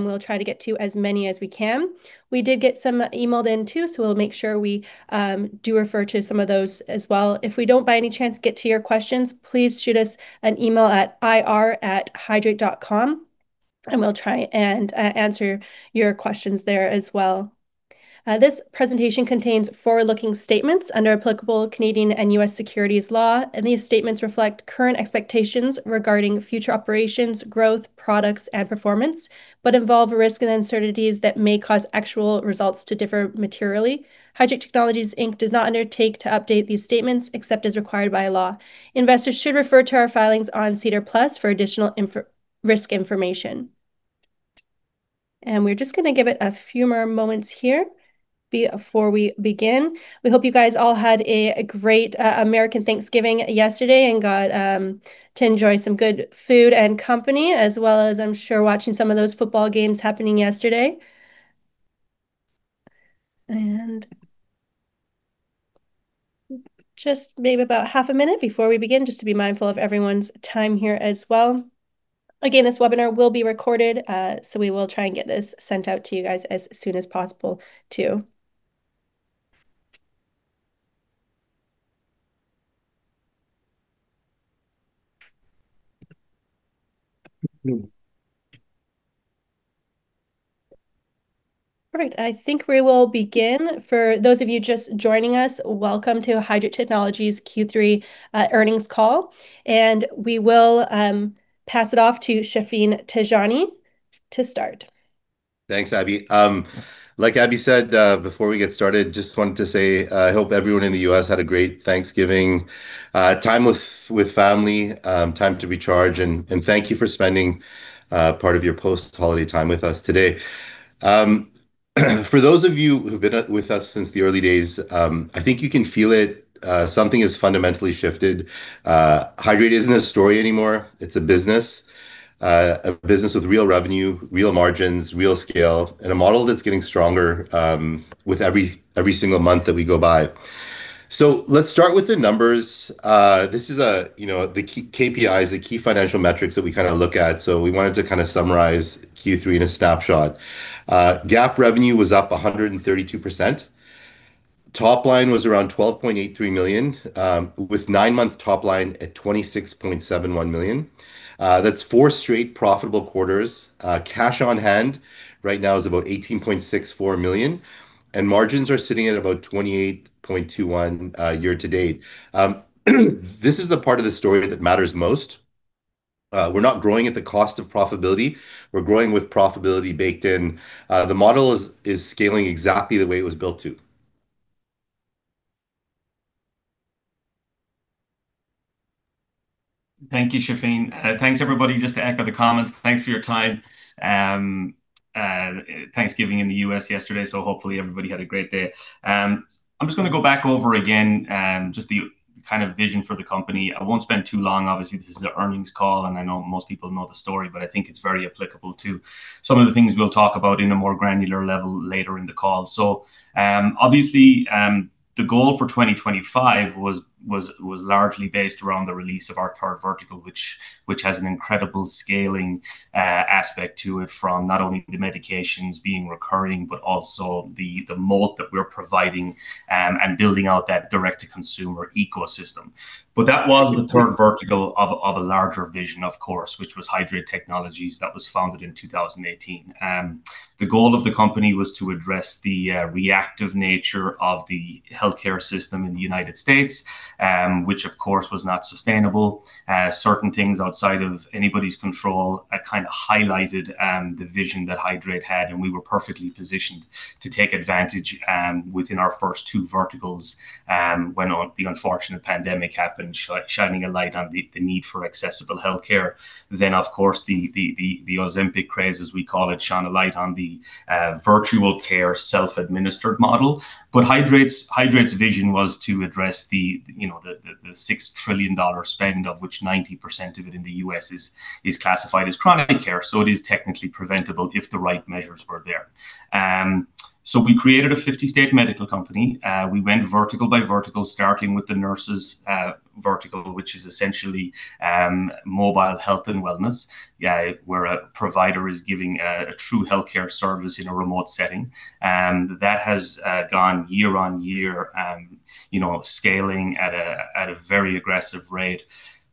We will try to get to as many as we can. We did get some emailed in too, so we will make sure we do refer to some of those as well. If we do not, by any chance, get to your questions, please shoot us an email at ir@hydreight.com, and we will try and answer your questions there as well. This presentation contains forward-looking statements under applicable Canadian and U.S. securities law, and these statements reflect current expectations regarding future operations, growth, products, and performance, but involve risk and uncertainties that may cause actual results to differ materially. Hydreight Technologies does not undertake to update these statements except as required by law. Investors should refer to our filings on SEDAR+ for additional risk information. We are just going to give it a few more moments here before we begin. We hope you guys all had a great American Thanksgiving yesterday and got to enjoy some good food and company, as well as, I'm sure, watching some of those football games happening yesterday. Maybe about half a minute before we begin, just to be mindful of everyone's time here as well. Again, this webinar will be recorded, so we will try and get this sent out to you guys as soon as possible too. All right, I think we will begin. For those of you just joining us, welcome to Hydreight Technologies' Q3 earnings call, and we will pass it off to Shafin Tajani to start. Thanks, Abbey. Like Abbey said before we get started, just wanted to say I hope everyone in the U.S. had a great Thanksgiving time with family, time to recharge, and thank you for spending part of your post-holiday time with us today. For those of you who've been with us since the early days, I think you can feel it. Something has fundamentally shifted. Hydreight isn't a story anymore. It's a business, a business with real revenue, real margins, real scale, and a model that's getting stronger with every single month that we go by. Let's start with the numbers. This is the KPIs, the key financial metrics that we kind of look at. We wanted to kind of summarize Q3 in a snapshot. GAAP revenue was up 132%. Top line was around $12.83 million, with nine-month top line at $26.71 million. That's four straight profitable quarters. Cash on hand right now is about $18.64 million, and margins are sitting at about 28.21% year to date. This is the part of the story that matters most. We're not growing at the cost of profitability. We're growing with profitability baked in. The model is scaling exactly the way it was built to. Thank you, Shafin. Thanks, everybody. Just to echo the comments, thanks for your time. Thanksgiving in the U.S. yesterday, so hopefully everybody had a great day. I'm just going to go back over again just the kind of vision for the company. I won't spend too long. Obviously, this is an earnings call, and I know most people know the story, but I think it's very applicable to some of the things we'll talk about in a more granular level later in the call. Obviously, the goal for 2025 was largely based around the release of our third vertical, which has an incredible scaling aspect to it, from not only the medications being recurring, but also the moat that we're providing and building out that direct-to-consumer ecosystem. That was the third vertical of a larger vision, of course, which was Hydreight Technologies that was founded in 2018. The goal of the company was to address the reactive nature of the healthcare system in the United States, which, of course, was not sustainable. Certain things outside of anybody's control kind of highlighted the vision that Hydreight had, and we were perfectly positioned to take advantage within our first two verticals when the unfortunate pandemic happened, shining a light on the need for accessible healthcare. Of course, the Ozempic craze, as we call it, shone a light on the virtual care self-administered model. Hydreight's vision was to address the $6 trillion spend, of which 90% of it in the US is classified as chronic care. It is technically preventable if the right measures were there. We created a 50-state medical company. We went vertical by vertical, starting with the nurses' vertical, which is essentially mobile health and wellness, where a provider is giving a true healthcare service in a remote setting. That has gone year on year, scaling at a very aggressive rate.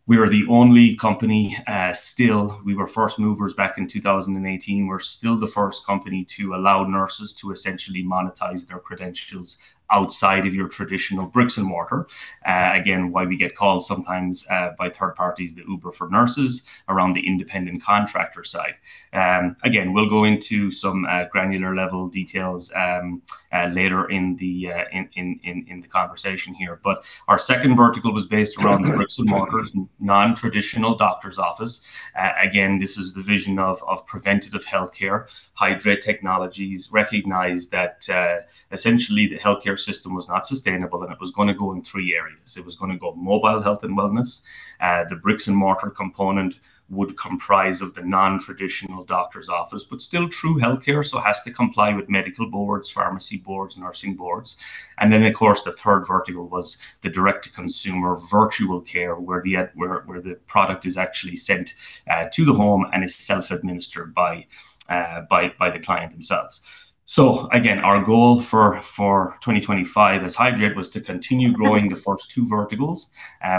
We are the only company still. We were first movers back in 2018. We're still the first company to allow nurses to essentially monetize their credentials outside of your traditional bricks and mortar. Again, why we get called sometimes by third parties the Uber for nurses around the independent contractor side. Again, we'll go into some granular level details later in the conversation here. Our second vertical was based around the bricks and mortars, non-traditional doctor's office. This is the vision of preventative healthcare. Hydreight Technologies recognized that essentially the healthcare system was not sustainable, and it was going to go in three areas. It was going to go mobile health and wellness. The bricks and mortar component would comprise of the non-traditional doctor's office, but still true healthcare, so it has to comply with medical boards, pharmacy boards, nursing boards. Of course, the third vertical was the direct-to-consumer virtual care, where the product is actually sent to the home and is self-administered by the client themselves. Again, our goal for 2025 as Hydreight was to continue growing the first two verticals,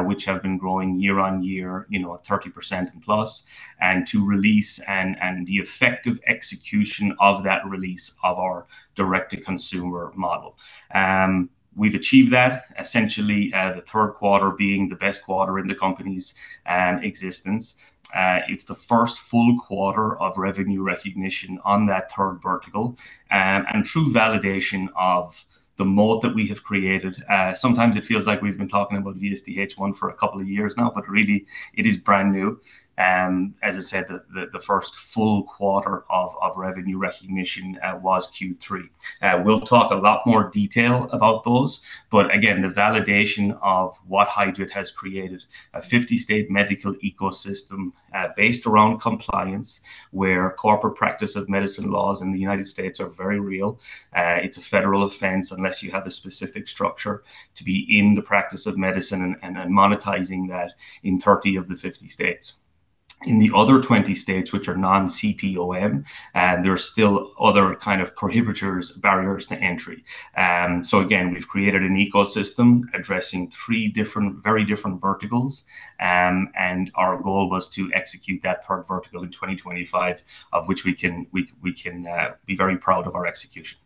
which have been growing year on year, 30% and plus, and to release and the effective execution of that release of our direct-to-consumer model. We've achieved that, essentially the third quarter being the best quarter in the company's existence. It's the first full quarter of revenue recognition on that third vertical and true validation of the moat that we have created. Sometimes it feels like we've been talking about VSDHOne for a couple of years now, but really it is brand new. As I said, the first full quarter of revenue recognition was Q3. We'll talk a lot more detail about those, but again, the validation of what Hydreight has created, a 50-state medical ecosystem based around compliance, where corporate practice of medicine laws in the United States are very real. It's a federal offense unless you have a specific structure to be in the practice of medicine and monetizing that in 30 of the 50 states. In the other 20 states, which are non-CPOM, there are still other kind of prohibitors, barriers to entry. Again, we've created an ecosystem addressing three different, very different verticals, and our goal was to execute that third vertical in 2025, of which we can be very proud of our execution.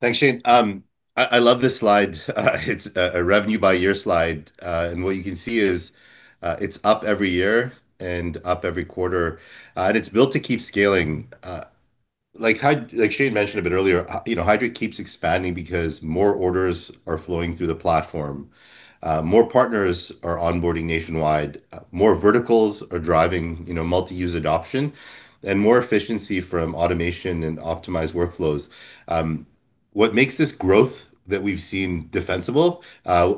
Thanks, Shane. I love this slide. It's a revenue-by-year slide. What you can see is it's up every year and up every quarter, and it's built to keep scaling. Like Shane mentioned a bit earlier, Hydreight keeps expanding because more orders are flowing through the platform, more partners are onboarding nationwide, more verticals are driving multi-use adoption, and more efficiency from automation and optimized workflows. What makes this growth that we've seen defensible? As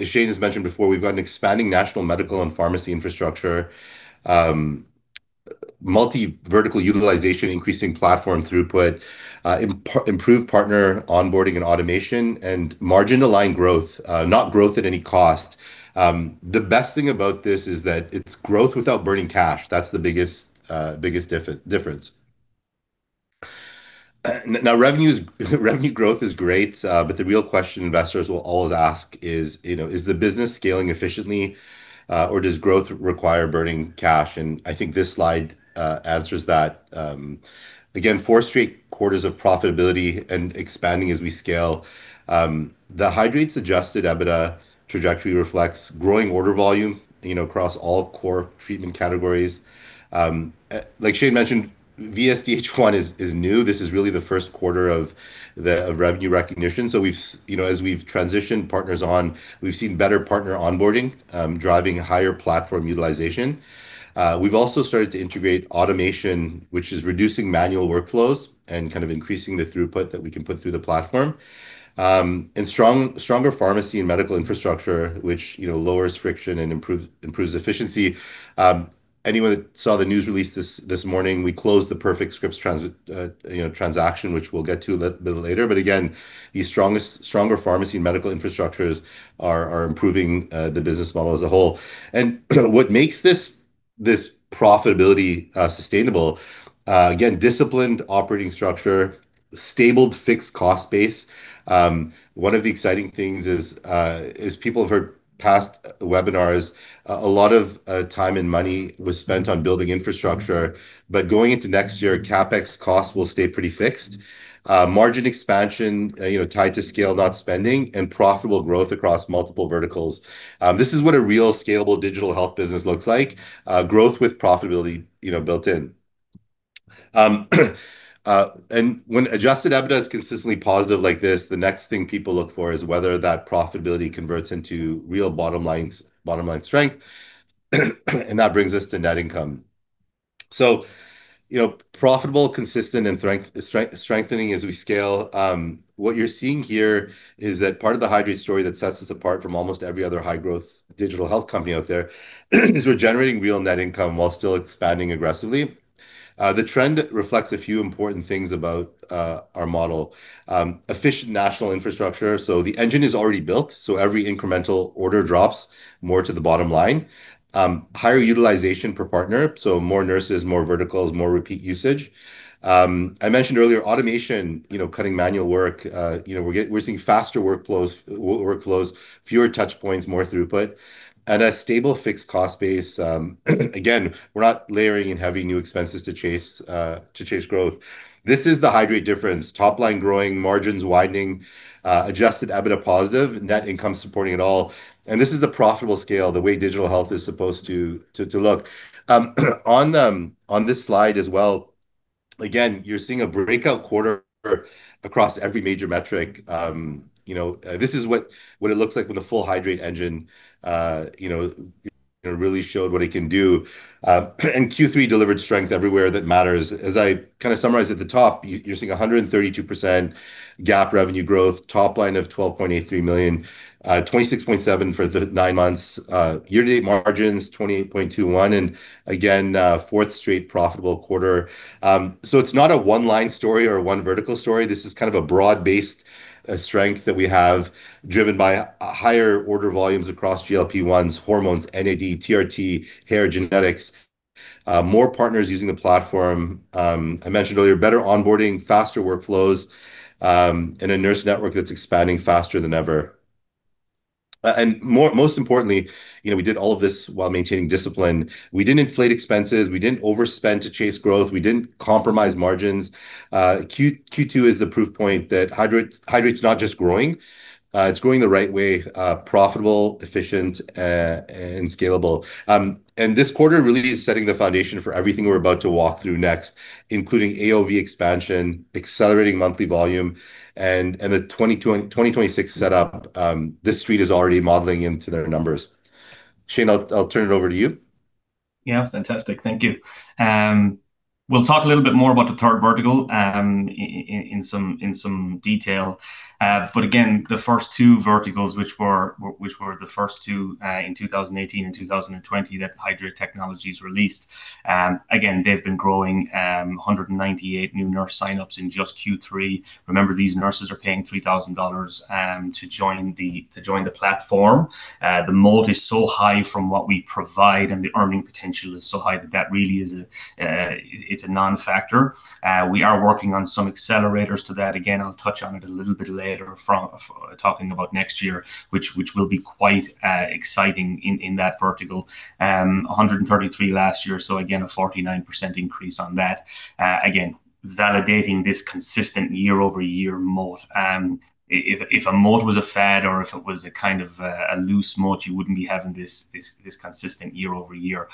Shane has mentioned before, we've got an expanding national medical and pharmacy infrastructure, multi-vertical utilization, increasing platform throughput, improved partner onboarding and automation, and margin-aligned growth, not growth at any cost. The best thing about this is that it's growth without burning cash. That's the biggest difference. Now, revenue growth is great, but the real question investors will always ask is, is the business scaling efficiently, or does growth require burning cash? I think this slide answers that. Again, four straight quarters of profitability and expanding as we scale. The Hydreight's adjusted EBITDA trajectory reflects growing order volume across all core treatment categories. Like Shane mentioned, VSDHOne is new. This is really the first quarter of revenue recognition. As we have transitioned partners on, we have seen better partner onboarding driving higher platform utilization. We have also started to integrate automation, which is reducing manual workflows and kind of increasing the throughput that we can put through the platform, and stronger pharmacy and medical infrastructure, which lowers friction and improves efficiency. Anyone that saw the news release this morning, we closed the Perfect Scripts transaction, which we will get to a little bit later. Again, these stronger pharmacy and medical infrastructures are improving the business model as a whole. What makes this profitability sustainable? Again, disciplined operating structure, stable fixed cost base. One of the exciting things is people have heard past webinars, a lot of time and money was spent on building infrastructure, but going into next year, CapEx costs will stay pretty fixed. Margin expansion, tied to scale-out spending, and profitable growth across multiple verticals. This is what a real scalable digital health business looks like, growth with profitability built in. When adjusted EBITDA is consistently positive like this, the next thing people look for is whether that profitability converts into real bottom line strength. That brings us to net income. Profitable, consistent, and strengthening as we scale. What you're seeing here is that part of the Hydreight story that sets us apart from almost every other high-growth digital health company out there is we're generating real net income while still expanding aggressively. The trend reflects a few important things about our model: efficient national infrastructure. The engine is already built, so every incremental order drops more to the bottom line. Higher utilization per partner, so more nurses, more verticals, more repeat usage. I mentioned earlier automation, cutting manual work. We're seeing faster workflows, fewer touchpoints, more throughput, and a stable fixed cost base. Again, we're not layering and having new expenses to chase growth. This is the Hydreight difference: top line growing, margins widening, adjusted EBITDA positive, net income supporting it all. This is a profitable scale, the way digital health is supposed to look. On this slide as well, again, you're seeing a breakout quarter across every major metric. This is what it looks like when the full Hydreight engine really showed what it can do. Q3 delivered strength everywhere that matters. As I kind of summarized at the top, you're seeing 132% GAAP revenue growth, top line of $12.83 million, $26.7 million for the nine months, year-to-date margins 28.21%, and again, fourth straight profitable quarter. It is not a one-line story or one vertical story. This is kind of a broad-based strength that we have driven by higher order volumes across GLP-1s, hormones, NAD, TRT, hair genetics, more partners using the platform. I mentioned earlier, better onboarding, faster workflows, and a nurse network that's expanding faster than ever. Most importantly, we did all of this while maintaining discipline. We did not inflate expenses. We did not overspend to chase growth. We did not compromise margins. Q2 is the proof point that Hydreight's not just growing. It is growing the right way, profitable, efficient, and scalable. This quarter really is setting the foundation for everything we're about to walk through next, including AOV expansion, accelerating monthly volume, and the 2026 setup. The street is already modeling into their numbers. Shane, I'll turn it over to you. Yeah, fantastic. Thank you. We'll talk a little bit more about the third vertical in some detail. Again, the first two verticals, which were the first two in 2018 and 2020 that Hydreight Technologies released, they've been growing. 198 new nurse signups in just Q3. Remember, these nurses are paying $3,000 to join the platform. The moat is so high from what we provide, and the earning potential is so high that that really is a non-factor. We are working on some accelerators to that. Again, I'll touch on it a little bit later talking about next year, which will be quite exciting in that vertical. 133 last year, so again, a 49% increase on that. Again, validating this consistent year-over-year moat. If a moat was a fad or if it was a kind of a loose moat, you wouldn't be having this consistent year-over-year.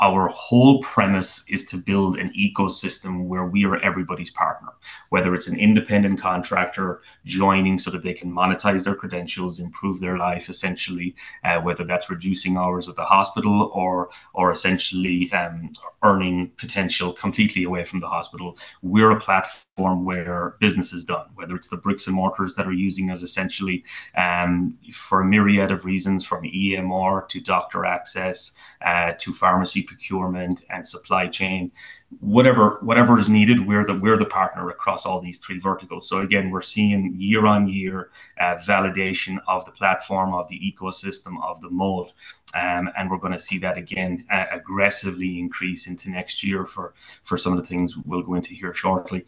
Our whole premise is to build an ecosystem where we are everybody's partner, whether it's an independent contractor joining so that they can monetize their credentials, improve their life, essentially, whether that's reducing hours at the hospital or essentially earning potential completely away from the hospital. We're a platform where business is done, whether it's the bricks and mortars that are using us essentially for a myriad of reasons, from EMR to doctor access to pharmacy procurement and supply chain, whatever is needed, we're the partner across all these three verticals. We are seeing year-on-year validation of the platform, of the ecosystem, of the moat. We are going to see that again aggressively increase into next year for some of the things we'll go into here shortly.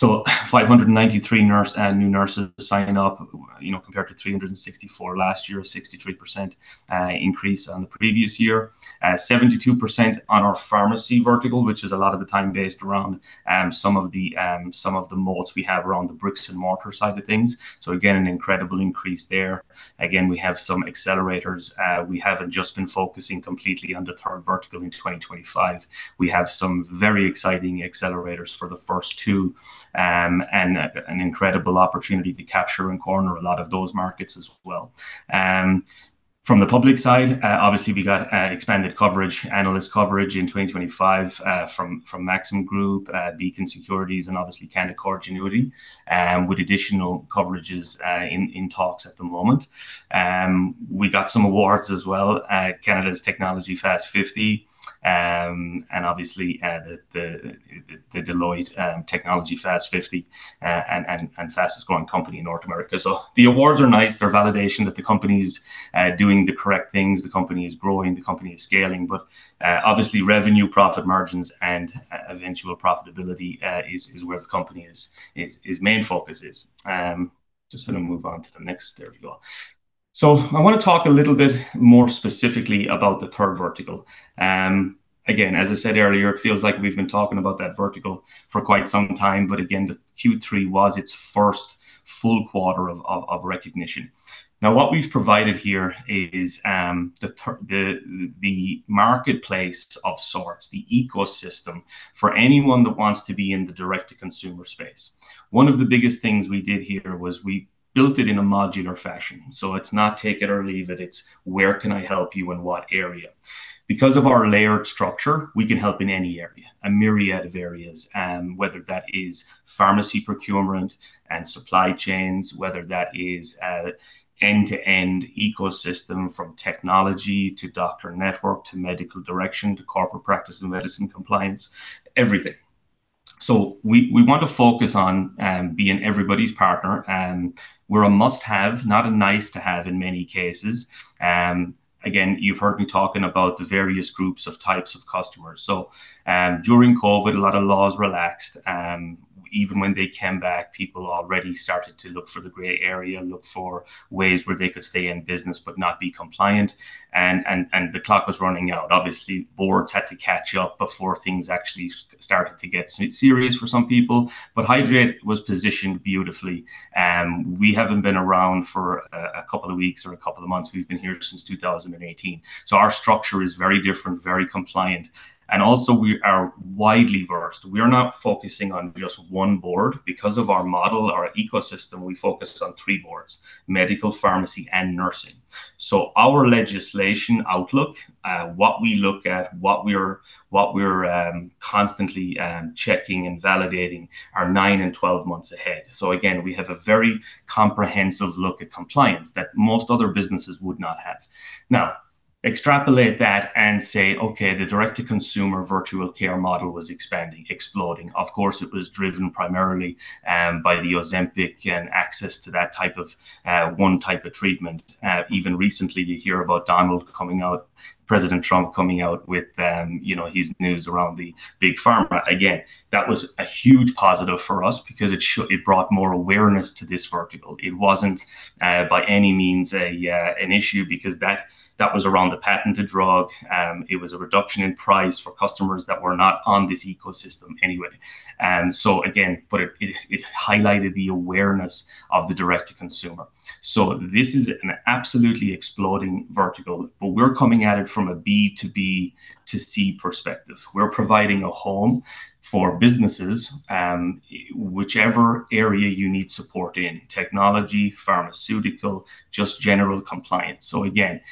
193 new nurses sign up compared to 384 last year, a 63% increase on the previous year, 72% on our pharmacy vertical, which is a lot of the time based around some of the moats we have around the bricks and mortar side of things. Again, an incredible increase there. Again, we have some accelerators. We have not just been focusing completely on the third vertical in 2025. We have some very exciting accelerators for the first two and an incredible opportunity to capture and corner a lot of those markets as well. From the public side, obviously, we got expanded coverage, analyst coverage in 2025 from Maxim Group, Beacon Securities, and obviously Canaccord Genuity with additional coverages in talks at the moment. We got some awards as well, Canada's Technology Fast 50, and obviously the Deloitte Technology Fast 50 and fastest growing company in North America. The awards are nice. They're validation that the company is doing the correct things, the company is growing, the company is scaling. Obviously, revenue, profit margins, and eventual profitability is where the company's main focus is. Just going to move on to the next, there we go. I want to talk a little bit more specifically about the third vertical. Again, as I said earlier, it feels like we've been talking about that vertical for quite some time, but again, Q3 was its first full quarter of recognition. What we've provided here is the marketplace of sorts, the ecosystem for anyone that wants to be in the direct-to-consumer space. One of the biggest things we did here was we built it in a modular fashion. It's not take it or leave it. It's where can I help you in what area? Because of our layered structure, we can help in any area, a myriad of areas, whether that is pharmacy procurement and supply chains, whether that is end-to-end ecosystem from technology to doctor network to medical direction to corporate practice and medicine compliance, everything. We want to focus on being everybody's partner. We're a must-have, not a nice-to-have in many cases. Again, you've heard me talking about the various groups of types of customers. During COVID, a lot of laws relaxed. Even when they came back, people already started to look for the gray area, look for ways where they could stay in business but not be compliant. The clock was running out. Obviously, boards had to catch up before things actually started to get serious for some people. Hydreight was positioned beautifully. We haven't been around for a couple of weeks or a couple of months. We've been here since 2018. Our structure is very different, very compliant. We are widely versed. We are not focusing on just one board. Because of our model, our ecosystem, we focus on three boards: medical, pharmacy, and nursing. Our legislation outlook, what we look at, what we're constantly checking and validating are 9 and 12 months ahead. We have a very comprehensive look at compliance that most other businesses would not have. Now, extrapolate that and say, "Okay, the direct-to-consumer virtual care model was expanding, exploding." Of course, it was driven primarily by the Ozempic and access to that type of one type of treatment. Even recently, you hear about Donald Trump coming out, President Trump coming out with his news around the big pharma. That was a huge positive for us because it brought more awareness to this vertical. It wasn't by any means an issue because that was around the patented drug. It was a reduction in price for customers that were not on this ecosystem anyway. Again, it highlighted the awareness of the direct-to-consumer. This is an absolutely exploding vertical, but we're coming at it from a B2B to C perspective. We're providing a home for businesses, whichever area you need support in: technology, pharmaceutical, just general compliance. Again,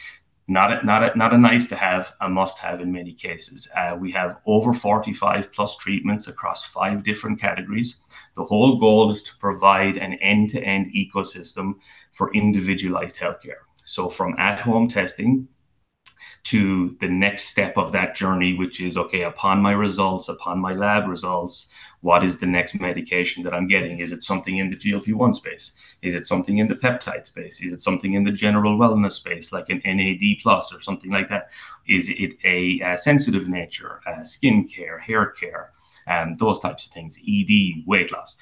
not a nice-to-have, a must-have in many cases. We have over +45 treatments across five different categories. The whole goal is to provide an end-to-end ecosystem for individualized healthcare. From at-home testing to the next step of that journey, which is, "Okay, upon my results, upon my lab results, what is the next medication that I'm getting? Is it something in the GLP-1 space? Is it something in the peptide space? Is it something in the general wellness space, like an NAD+ or something like that? Is it a sensitive nature, skin care, hair care, those types of things, ED, weight loss?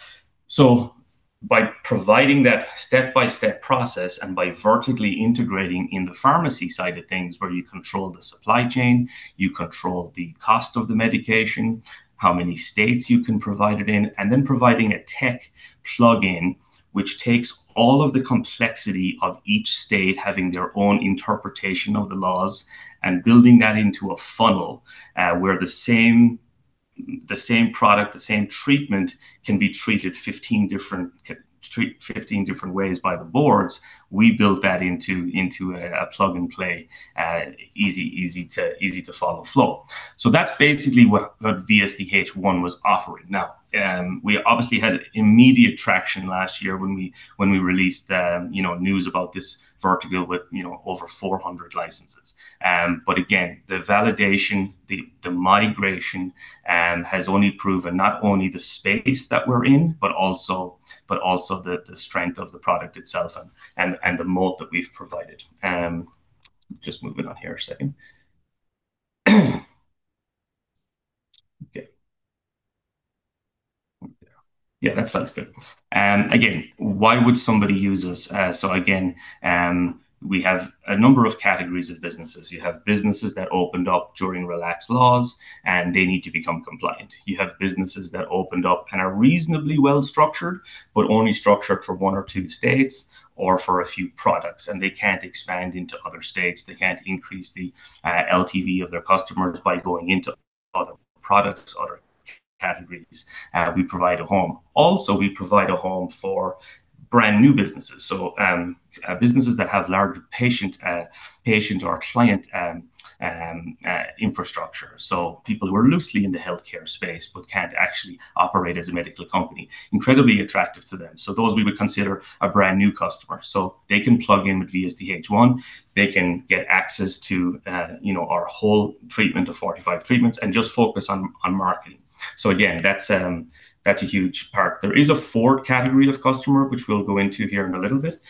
By providing that step-by-step process and by vertically integrating in the pharmacy side of things where you control the supply chain, you control the cost of the medication, how many states you can provide it in, and then providing a tech plug-in, which takes all of the complexity of each state having their own interpretation of the laws and building that into a funnel where the same product, the same treatment can be treated 15 different ways by the boards. We build that into a plug-and-play, easy to follow flow. That is basically what VSDHOne was offering. We obviously had immediate traction last year when we released news about this vertical with over 400 licenses. Again, the validation, the migration has only proven not only the space that we're in, but also the strength of the product itself and the moat that we've provided. Just moving on here a second. Okay. Yeah, that sounds good. Again, why would somebody use us? Again, we have a number of categories of businesses. You have businesses that opened up during relaxed laws, and they need to become compliant. You have businesses that opened up and are reasonably well-structured, but only structured for one or two states or for a few products, and they can't expand into other states. They can't increase the LTV of their customers by going into other products, other categories. We provide a home. Also, we provide a home for brand new businesses, so businesses that have large patient or client infrastructure. People who are loosely in the healthcare space but can't actually operate as a medical company, incredibly attractive to them. Those we would consider a brand new customer. They can plug in with VSDHOne. They can get access to our whole treatment of 45 treatments and just focus on marketing. Again, that's a huge part. There is a fourth category of customer, which we'll go into here in a little bit,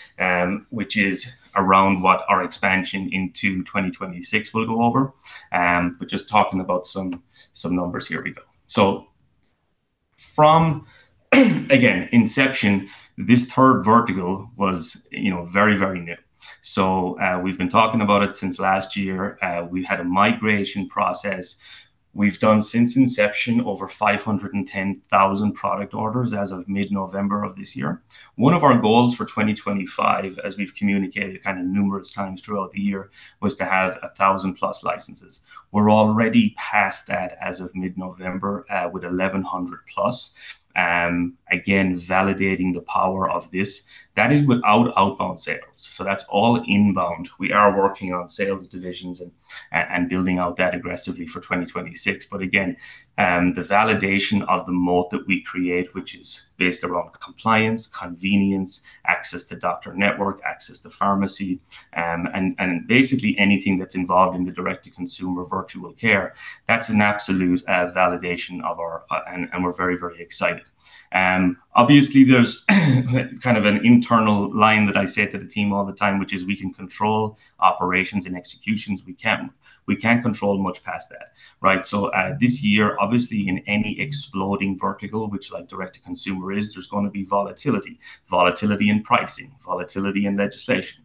which is around what our expansion into 2026 will go over. Just talking about some numbers, here we go. From inception, this third vertical was very, very new. We've been talking about it since last year. We've had a migration process. We've done since inception over 510,000 product orders as of mid-November of this year. One of our goals for 2025, as we've communicated kind of numerous times throughout the year, was to have +1,000 licenses. We're already past that as of mid-November with +1,100. Again, validating the power of this. That is without outbound sales. That's all inbound. We are working on sales divisions and building out that aggressively for 2026. Again, the validation of the moat that we create, which is based around compliance, convenience, access to doctor network, access to pharmacy, and basically anything that's involved in the direct-to-consumer virtual care, that's an absolute validation of our, and we're very, very excited. Obviously, there's kind of an internal line that I say to the team all the time, which is we can control operations and executions. We can't control much past that, right? This year, obviously, in any exploding vertical, which like direct-to-consumer is, there's going to be volatility, volatility in pricing, volatility in legislation.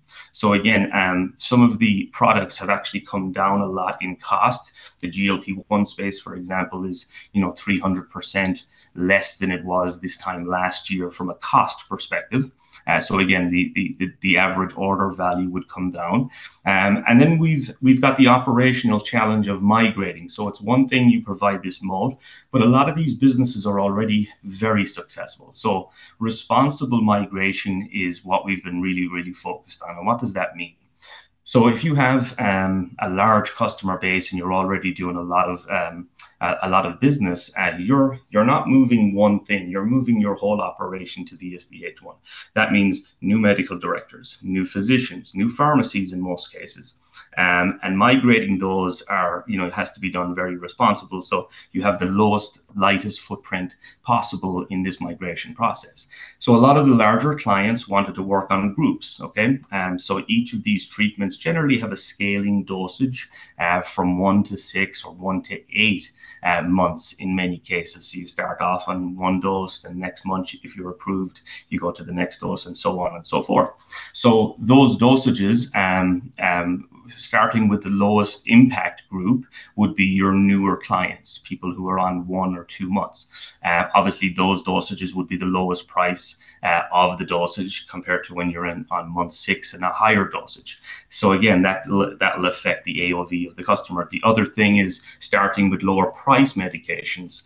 Again, some of the products have actually come down a lot in cost. The GLP-1 space, for example, is 300% less than it was this time last year from a cost perspective. Again, the average order value would come down. Then we've got the operational challenge of migrating. It's one thing you provide this moat, but a lot of these businesses are already very successful. Responsible migration is what we've been really, really focused on. What does that mean? If you have a large customer base and you're already doing a lot of business, you're not moving one thing. You're moving your whole operation to VSDHOne. That means new medical directors, new physicians, new pharmacies in most cases. Migrating those has to be done very responsibly. You have the lowest lightest footprint possible in this migration process. A lot of the larger clients wanted to work on groups, okay? Each of these treatments generally have a scaling dosage from one to six or one to eight months in many cases. You start off on one dose, then next month, if you're approved, you go to the next dose and so on and so forth. Those dosages, starting with the lowest impact group, would be your newer clients, people who are on one or two months. Obviously, those dosages would be the lowest price of the dosage compared to when you're on month six and a higher dosage. That will affect the AOV of the customer. The other thing is starting with lower-priced medications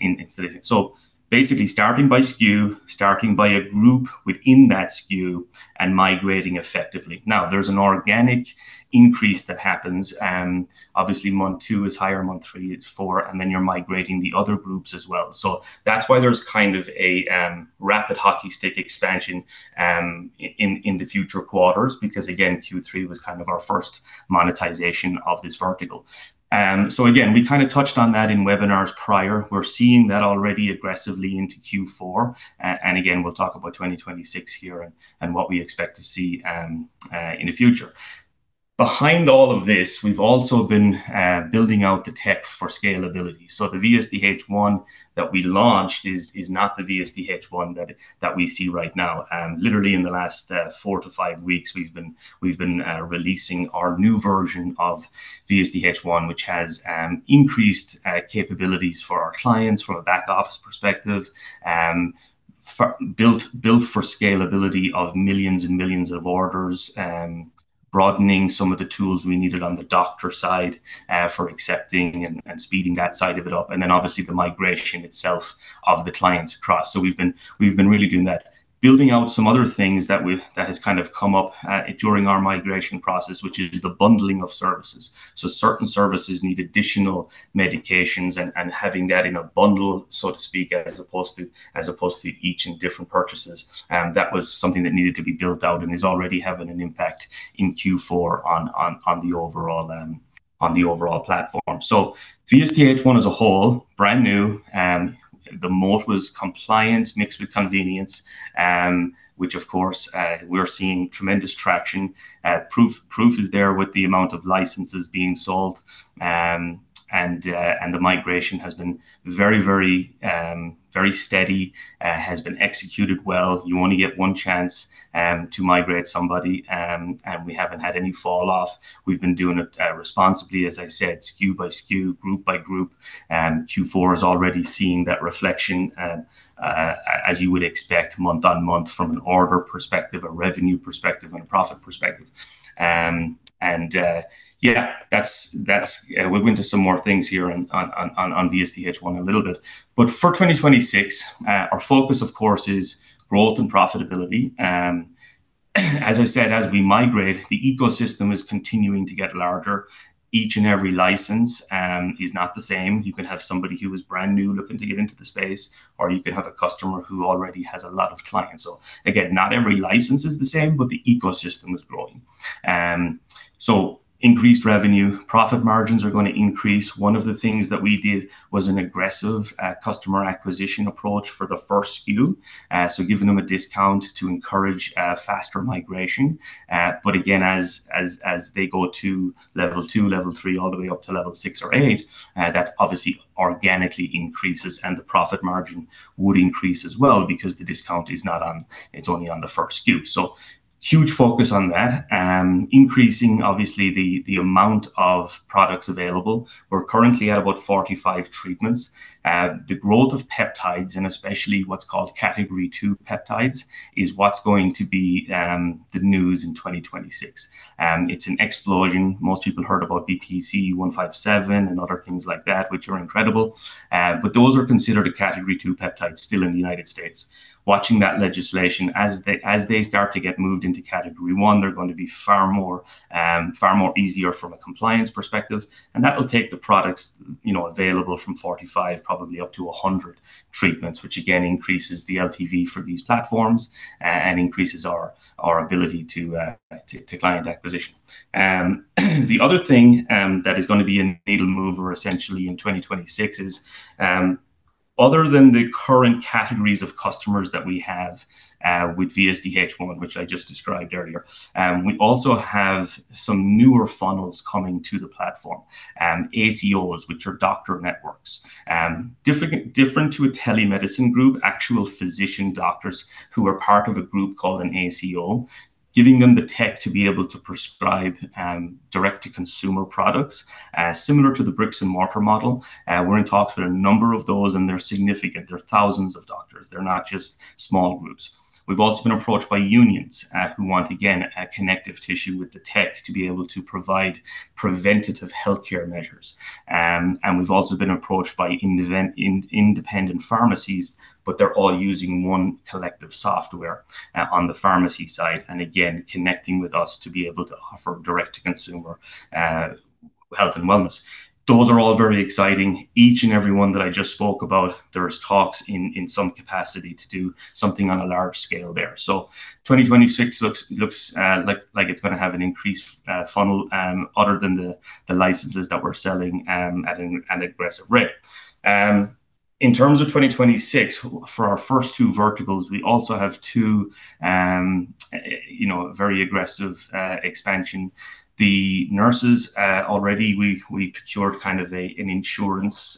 instead of, so basically starting by SKU, starting by a group within that SKU and migrating effectively. Now, there's an organic increase that happens. Obviously, month two is higher, month three is four, and then you're migrating the other groups as well. That's why there's kind of a rapid hockey stick expansion in the future quarters because, again, Q3 was kind of our first monetization of this vertical. We kind of touched on that in webinars prior. We're seeing that already aggressively into Q4. We'll talk about 2026 here and what we expect to see in the future. Behind all of this, we've also been building out the tech for scalability. The VSDHOne that we launched is not the VSDHOne that we see right now. Literally, in the last four to five weeks, we've been releasing our new version of VSDHOne, which has increased capabilities for our clients from a back-office perspective, built for scalability of millions and millions of orders, broadening some of the tools we needed on the doctor side for accepting and speeding that side of it up, and then obviously the migration itself of the clients across. We've been really doing that, building out some other things that have kind of come up during our migration process, which is the bundling of services. Certain services need additional medications and having that in a bundle, so to speak, as opposed to each in different purchases. That was something that needed to be built out and is already having an impact in Q4 on the overall platform. VSDHOne as a whole, brand new, the moat was compliance mixed with convenience, which, of course, we're seeing tremendous traction. Proof is there with the amount of licenses being sold, and the migration has been very, very steady, has been executed well. You only get one chance to migrate somebody, and we haven't had any falloff. We've been doing it responsibly, as I said, SKU by SKU, group by group. Q4 is already seeing that reflection, as you would expect, month on month from an order perspective, a revenue perspective, and a profit perspective. Yeah, we went to some more things here on VSDHOne a little bit. For 2026, our focus, of course, is growth and profitability. As I said, as we migrate, the ecosystem is continuing to get larger. Each and every license is not the same. You can have somebody who is brand new looking to get into the space, or you can have a customer who already has a lot of clients. Not every license is the same, but the ecosystem is growing. Increased revenue, profit margins are going to increase. One of the things that we did was an aggressive customer acquisition approach for the first SKU, giving them a discount to encourage faster migration. As they go to level two, level three, all the way up to level six or eight, that obviously organically increases, and the profit margin would increase as well because the discount is not on, it's only on the first SKU. Huge focus on that, increasing, obviously, the amount of products available. We're currently at about 45 treatments. The growth of peptides, and especially what's called category two peptides, is what's going to be the news in 2026. It's an explosion. Most people heard about BPC-157 and other things like that, which are incredible. But those are considered a category two peptide still in the United States. Watching that legislation, as they start to get moved into category one, they're going to be far more easier from a compliance perspective. That will take the products available from 45 probably up to 100 treatments, which again increases the LTV for these platforms and increases our ability to client acquisition. The other thing that is going to be a natal mover essentially in 2026 is, other than the current categories of customers that we have with VSDHOne, which I just described earlier, we also have some newer funnels coming to the platform, ACOs, which are doctor networks. Different to a telemedicine group, actual physician doctors who are part of a group called an ACO, giving them the tech to be able to prescribe direct-to-consumer products, similar to the bricks-and-mortar model. We are in talks with a number of those, and they are significant. They are thousands of doctors. They are not just small groups. We have also been approached by unions who want, again, a connective tissue with the tech to be able to provide preventative healthcare measures. We have also been approached by independent pharmacies, but they are all using one collective software on the pharmacy side, and again, connecting with us to be able to offer direct-to-consumer health and wellness. Those are all very exciting. Each and every one that I just spoke about, there are talks in some capacity to do something on a large scale there. 2026 looks like it's going to have an increased funnel other than the licenses that we're selling at an aggressive rate. In terms of 2026, for our first two verticals, we also have two very aggressive expansions. The nurses, already we procured kind of an insurance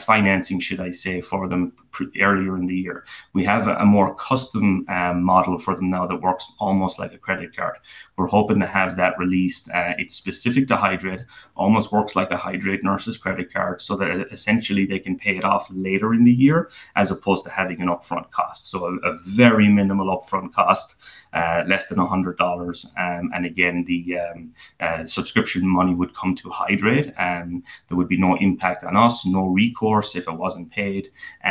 financing, should I say, for them earlier in the year. We have a more custom model for them now that works almost like a credit card. We're hoping to have that released. It's specific to Hydreight, almost works like a Hydreight nurses credit card so that essentially they can pay it off later in the year as opposed to having an upfront cost. A very minimal upfront cost, less than $100. Again, the subscription money would come to Hydreight. There would be no impact on us, no recourse if it wasn't paid.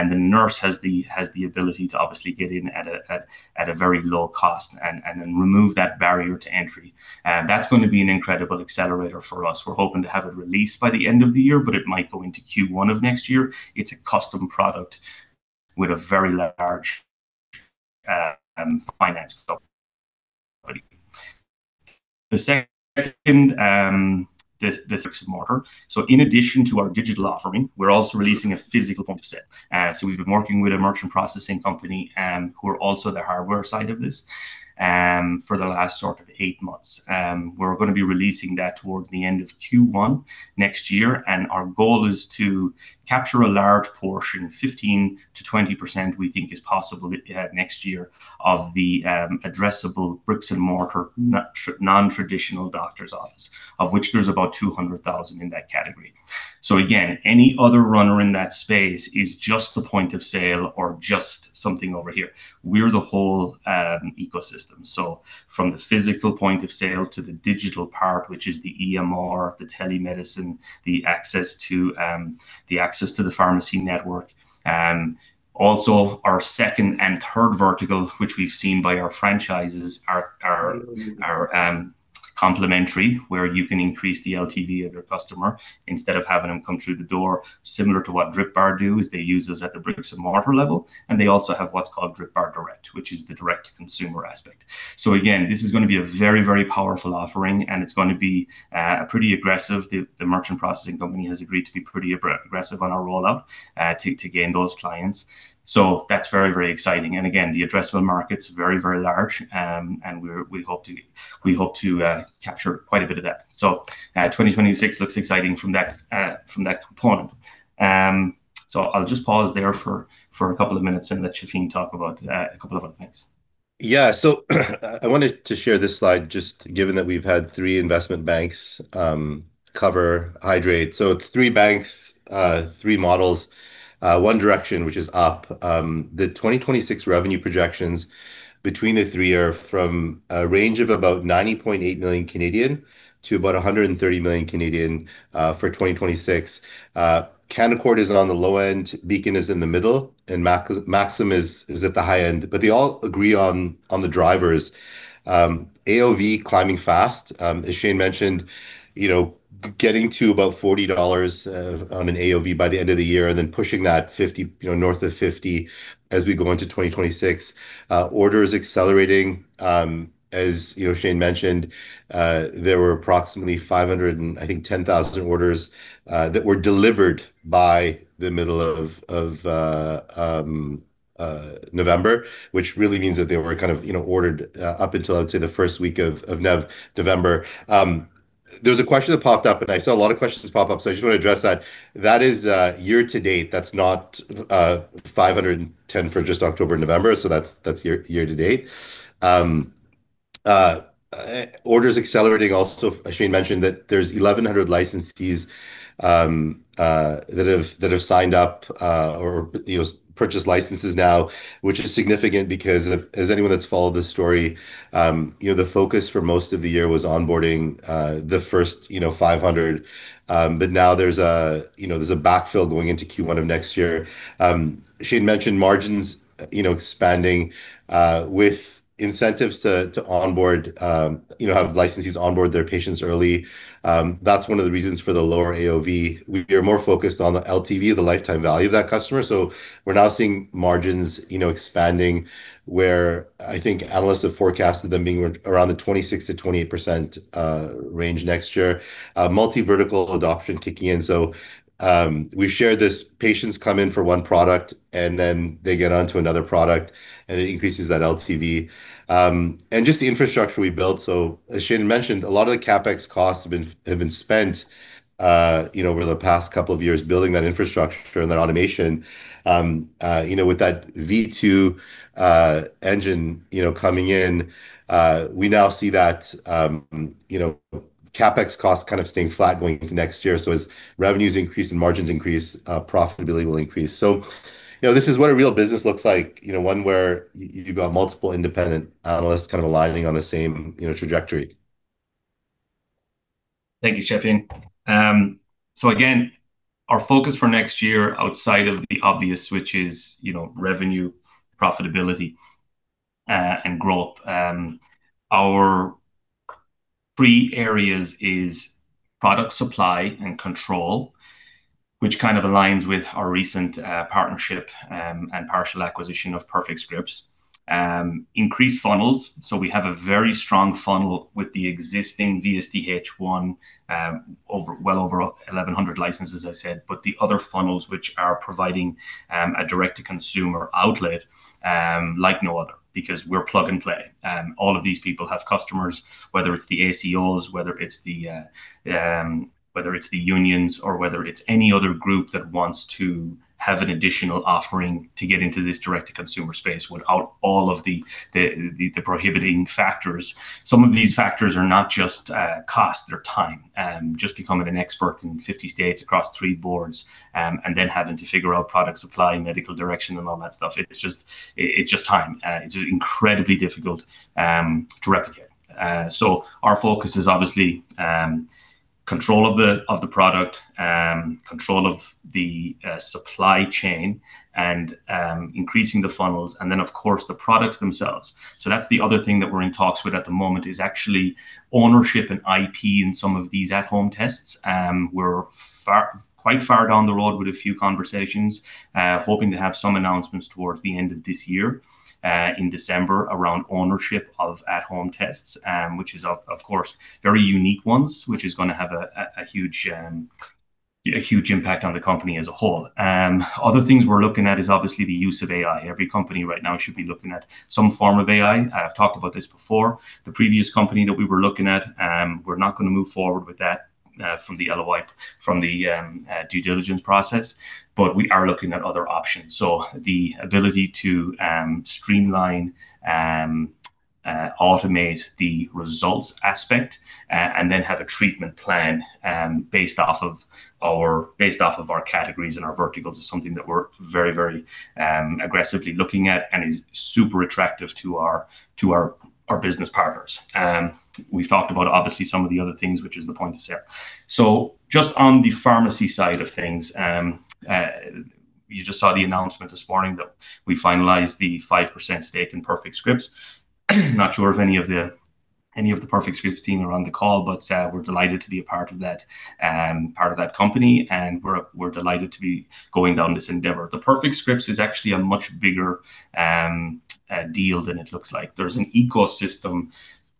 The nurse has the ability to obviously get in at a very low cost and then remove that barrier to entry. That is going to be an incredible accelerator for us. We are hoping to have it released by the end of the year, but it might go into Q1 of next year. It is a custom product with a very large finance. The second, the bricks-and-mortar. In addition to our digital offering, we are also releasing a physical. We have been working with a merchant processing company who are also the hardware side of this for the last eight months. We are going to be releasing that towards the end of Q1 next year. Our goal is to capture a large portion, 15%-20, we think is possible next year of the addressable bricks-and-mortar non-traditional doctor's office, of which there are about 200,000 in that category. Again, any other runner in that space is just the point of sale or just something over here. We're the whole ecosystem. From the physical point of sale to the digital part, which is the EMR, the telemedicine, the access to the pharmacy network. Also, our second and third vertical, which we've seen by our franchises, are complementary, where you can increase the LTV of your customer instead of having them come through the door. Similar to what DRIPBaR does, they use us at the bricks-and-mortar level, and they also have what's called DRIPBaR Direct, which is the direct-to-consumer aspect. This is going to be a very, very powerful offering, and it's going to be pretty aggressive. The merchant processing company has agreed to be pretty aggressive on our rollout to gain those clients. That's very, very exciting. The addressable market's very, very large, and we hope to capture quite a bit of that. 2026 looks exciting from that component. I'll just pause there for a couple of minutes and let Shafin talk about a couple of other things. Yeah. I wanted to share this slide just given that we've had three investment banks cover Hydreight. It's three banks, three models, one direction, which is up. The 2026 revenue projections between the three are from a range of about 90.8 million to about 130 million for 2026. Canaccord is on the low end, Beacon is in the middle, and Maxim is at the high end. They all agree on the drivers. AOV climbing fast, as Shane mentioned, getting to about $40 on an AOV by the end of the year and then pushing that north of 50 as we go into 2026. Orders accelerating. As Shane mentioned, there were approximately 510,000 orders that were delivered by the middle of November, which really means that they were kind of ordered up until, I would say, the first week of November. There was a question that popped up, and I saw a lot of questions pop up, so I just want to address that. That is year-to-date. That's not 510,000 for just October and November, so that's year-to-date. Orders accelerating also. Shane mentioned that there's 1,100 licensees that have signed up or purchased licenses now, which is significant because, as anyone that's followed this story, the focus for most of the year was onboarding the first 500. Now there's a backfill going into Q1 of next year. Shane mentioned margins expanding with incentives to have licensees onboard their patients early. That's one of the reasons for the lower AOV. We are more focused on the LTV, the lifetime value of that customer. We're now seeing margins expanding where I think analysts have forecasted them being around the 26%-28 range next year. Multi-vertical adoption kicking in. We've shared this: patients come in for one product, and then they get on to another product, and it increases that LTV. Just the infrastructure we built. As Shane mentioned, a lot of the CapEx costs have been spent over the past couple of years building that infrastructure and that automation. With that V2 engine coming in, we now see that CapEx costs kind of staying flat going into next year. As revenues increase and margins increase, profitability will increase. This is what a real business looks like, one where you've got multiple independent analysts kind of aligning on the same trajectory. Thank you, Shafin. Again, our focus for next year outside of the obvious, which is revenue, profitability, and growth. Our three areas are product supply and control, which kind of aligns with our recent partnership and partial acquisition of Perfect Scripts. Increased funnels. We have a very strong funnel with the existing VSDHOne, well over 1,100 licenses, I said, but the other funnels, which are providing a direct-to-consumer outlet like no other because we're plug-and-play. All of these people have customers, whether it's the ACOs, whether it's the unions, or whether it's any other group that wants to have an additional offering to get into this direct-to-consumer space without all of the prohibiting factors. Some of these factors are not just cost; they're time. Just becoming an expert in 50 states across three boards and then having to figure out product supply, medical direction, and all that stuff, it's just time. It's incredibly difficult to replicate. Our focus is obviously control of the product, control of the supply chain, and increasing the funnels, and then, of course, the products themselves. The other thing that we're in talks with at the moment is actually ownership and IP in some of these at-home tests. We're quite far down the road with a few conversations, hoping to have some announcements towards the end of this year in December around ownership of at-home tests, which is, of course, very unique ones, which is going to have a huge impact on the company as a whole. Other things we're looking at is obviously the use of AI. Every company right now should be looking at some form of AI. I've talked about this before. The previous company that we were looking at, we're not going to move forward with that from the due diligence process, but we are looking at other options. The ability to streamline, automate the results aspect, and then have a treatment plan based off of our categories and our verticals is something that we're very, very aggressively looking at and is super attractive to our business partners. We've talked about, obviously, some of the other things, which is the point of sale. Just on the pharmacy side of things, you just saw the announcement this morning that we finalized the 5% stake in Perfect Scripts. Not sure if any of the Perfect Scripts team are on the call, but we're delighted to be a part of that company and we're delighted to be going down this endeavor. Perfect Scripts is actually a much bigger deal than it looks like. There's an ecosystem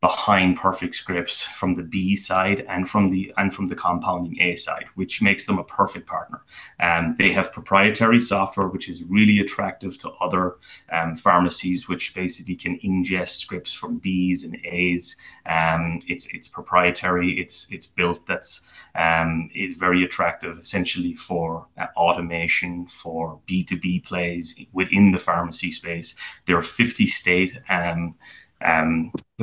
behind Perfect Scripts from the B side and from the compounding A side, which makes them a perfect partner. They have proprietary software, which is really attractive to other pharmacies, which basically can ingest scripts from Bs and As. It's proprietary. It's built. That's very attractive, essentially, for automation, for B2B plays within the pharmacy space. There are 50 state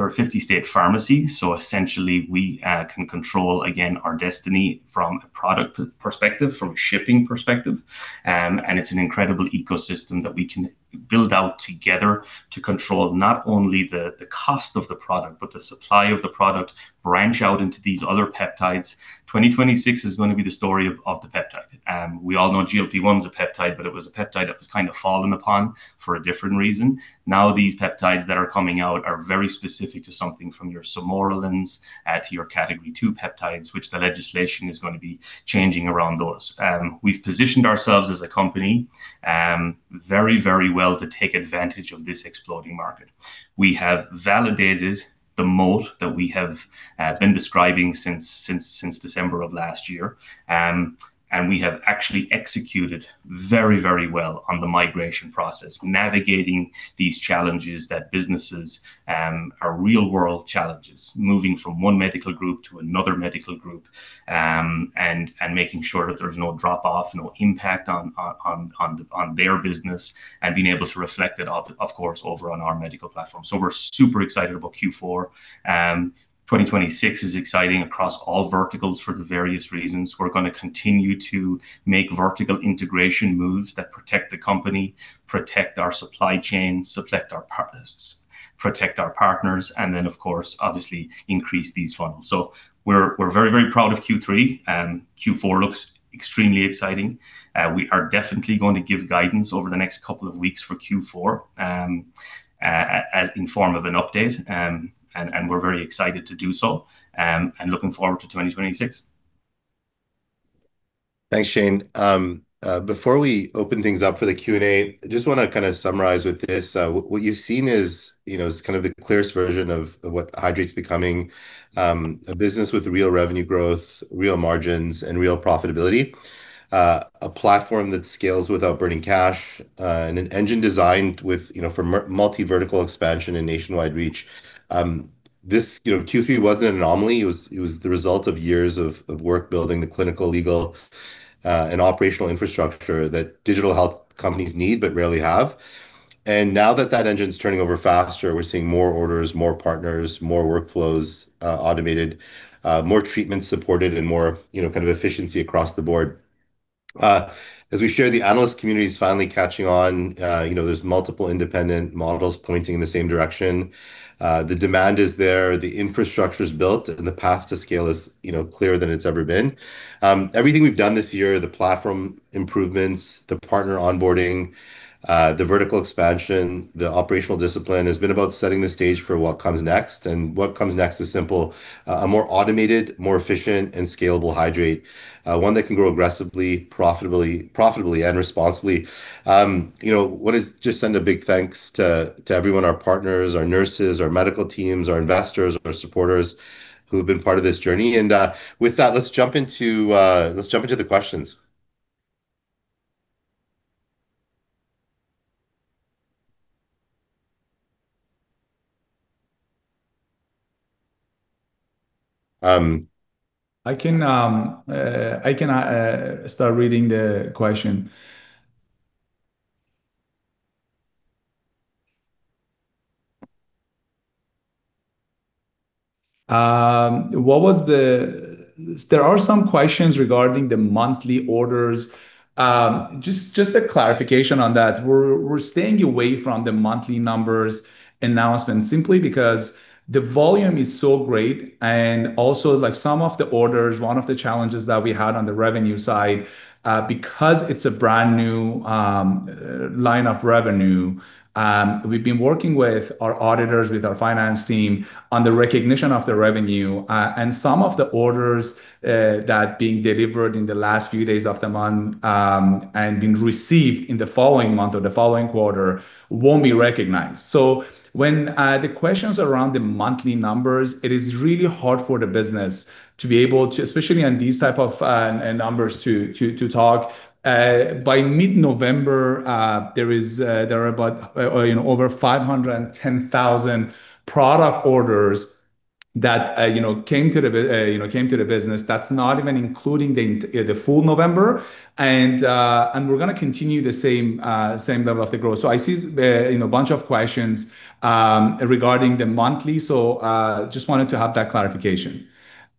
pharmacies. Essentially, we can control, again, our destiny from a product perspective, from a shipping perspective. It is an incredible ecosystem that we can build out together to control not only the cost of the product, but the supply of the product, branch out into these other peptides. 2026 is going to be the story of the peptide. We all know GLP-1 is a peptide, but it was a peptide that was kind of fallen upon for a different reason. Now, these peptides that are coming out are very specific to something from your sermorelins to your category two peptides, which the legislation is going to be changing around those. We have positioned ourselves as a company very, very well to take advantage of this exploding market. We have validated the moat that we have been describing since December of last year. We have actually executed very, very well on the migration process, navigating these challenges that businesses are real-world challenges, moving from one medical group to another medical group and making sure that there's no drop-off, no impact on their business, and being able to reflect it, of course, over on our medical platform. We are super excited about Q4. 2026 is exciting across all verticals for the various reasons. We are going to continue to make vertical integration moves that protect the company, protect our supply chain, protect our partners, and then, of course, obviously increase these funnels. We are very, very proud of Q3. Q4 looks extremely exciting. We are definitely going to give guidance over the next couple of weeks for Q4 in form of an update. We are very excited to do so and looking forward to 2026. Thanks, Shane. Before we open things up for the Q&A, I just want to kind of summarize with this. What you've seen is kind of the clearest version of what Hydreight's becoming: a business with real revenue growth, real margins, and real profitability, a platform that scales without burning cash, and an engine designed for multi-vertical expansion and nationwide reach. This Q3 wasn't an anomaly. It was the result of years of work building the clinical, legal, and operational infrastructure that digital health companies need but rarely have. Now that that engine's turning over faster, we're seeing more orders, more partners, more workflows automated, more treatment supported, and more kind of efficiency across the board. As we share, the analyst community is finally catching on. There's multiple independent models pointing in the same direction. The demand is there. The infrastructure is built, and the path to scale is clearer than it's ever been. Everything we've done this year, the platform improvements, the partner onboarding, the vertical expansion, the operational discipline, has been about setting the stage for what comes next. What comes next is simple: a more automated, more efficient, and scalable Hydreight, one that can grow aggressively, profitably, and responsibly. I want to just send a big thanks to everyone: our partners, our nurses, our medical teams, our investors, our supporters who have been part of this journey. With that, let's jump into the questions. I can start reading the question. There are some questions regarding the monthly orders. Just a clarification on that. We're staying away from the monthly numbers announcement simply because the volume is so great. Also, some of the orders, one of the challenges that we had on the revenue side, because it's a brand new line of revenue, we've been working with our auditors, with our finance team on the recognition of the revenue. Some of the orders that are being delivered in the last few days of the month and being received in the following month or the following quarter won't be recognized. When the questions are around the monthly numbers, it is really hard for the business to be able to, especially on these types of numbers, to talk. By mid-November, there are over 510,000 product orders that came to the business. That's not even including the full November. We're going to continue the same level of the growth. I see a bunch of questions regarding the monthly. I just wanted to have that clarification.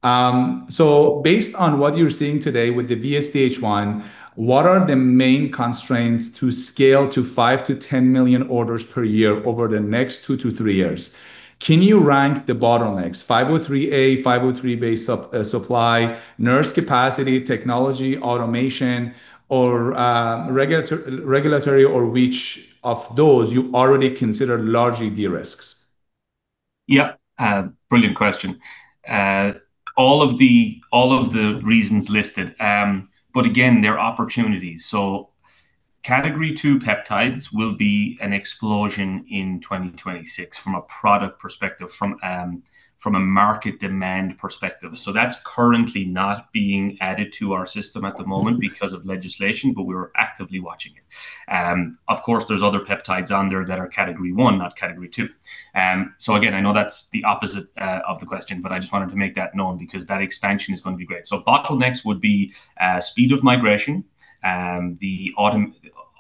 Based on what you're seeing today with the VSDHOne, what are the main constraints to scale to 5 million to 10 orders per year over the next two to three years? Can you rank the bottlenecks: 503A, 503B-based supply, nurse capacity, technology, automation, or regulatory, or which of those you already consider largely de-risked? Yep. Brilliant question. All of the reasons listed. Again, they're opportunities. Category two peptides will be an explosion in 2026 from a product perspective, from a market demand perspective. That's currently not being added to our system at the moment because of legislation, but we're actively watching it. Of course, there are other peptides under that are category one, not category two. I know that's the opposite of the question, but I just wanted to make that known because that expansion is going to be great. Bottlenecks would be speed of migration, the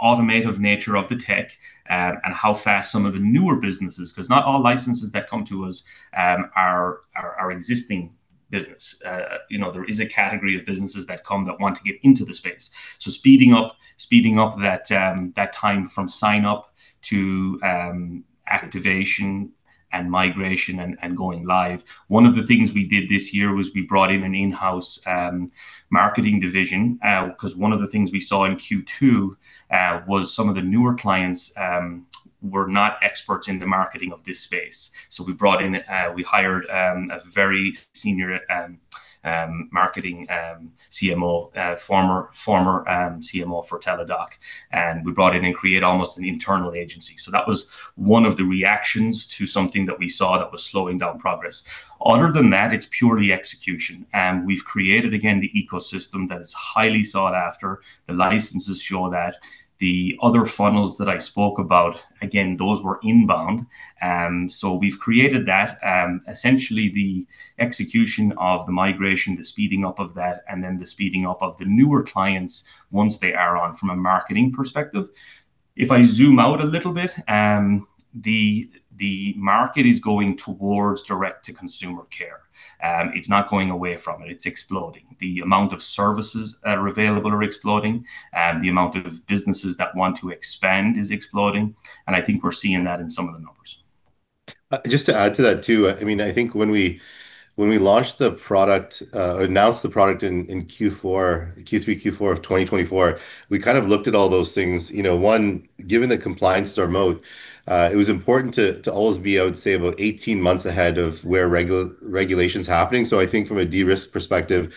automative nature of the tech, and how fast some of the newer businesses, because not all licenses that come to us are existing business. There is a category of businesses that come that want to get into the space. Speeding up that time from sign-up to activation and migration and going live. One of the things we did this year was we brought in an in-house marketing division because one of the things we saw in Q2 was some of the newer clients were not experts in the marketing of this space. We hired a very senior marketing CMO, former CMO for Teladoc, and we brought in and created almost an internal agency. That was one of the reactions to something that we saw that was slowing down progress. Other than that, it's purely execution. We have created, again, the ecosystem that is highly sought after. The licenses show that. The other funnels that I spoke about, again, those were inbound. We have created that, essentially the execution of the migration, the speeding up of that, and then the speeding up of the newer clients once they are on from a marketing perspective. If I zoom out a little bit, the market is going towards direct-to-consumer care. It is not going away from it. It is exploding. The amount of services that are available are exploding. The amount of businesses that want to expand is exploding. I think we are seeing that in some of the numbers. Just to add to that too, I mean, I think when we launched the product, announced the product in Q3, Q4 of 2024, we kind of looked at all those things. One, given the compliance to our moat, it was important to always be, I would say, about 18 months ahead of where regulation's happening. I think from a de-risk perspective,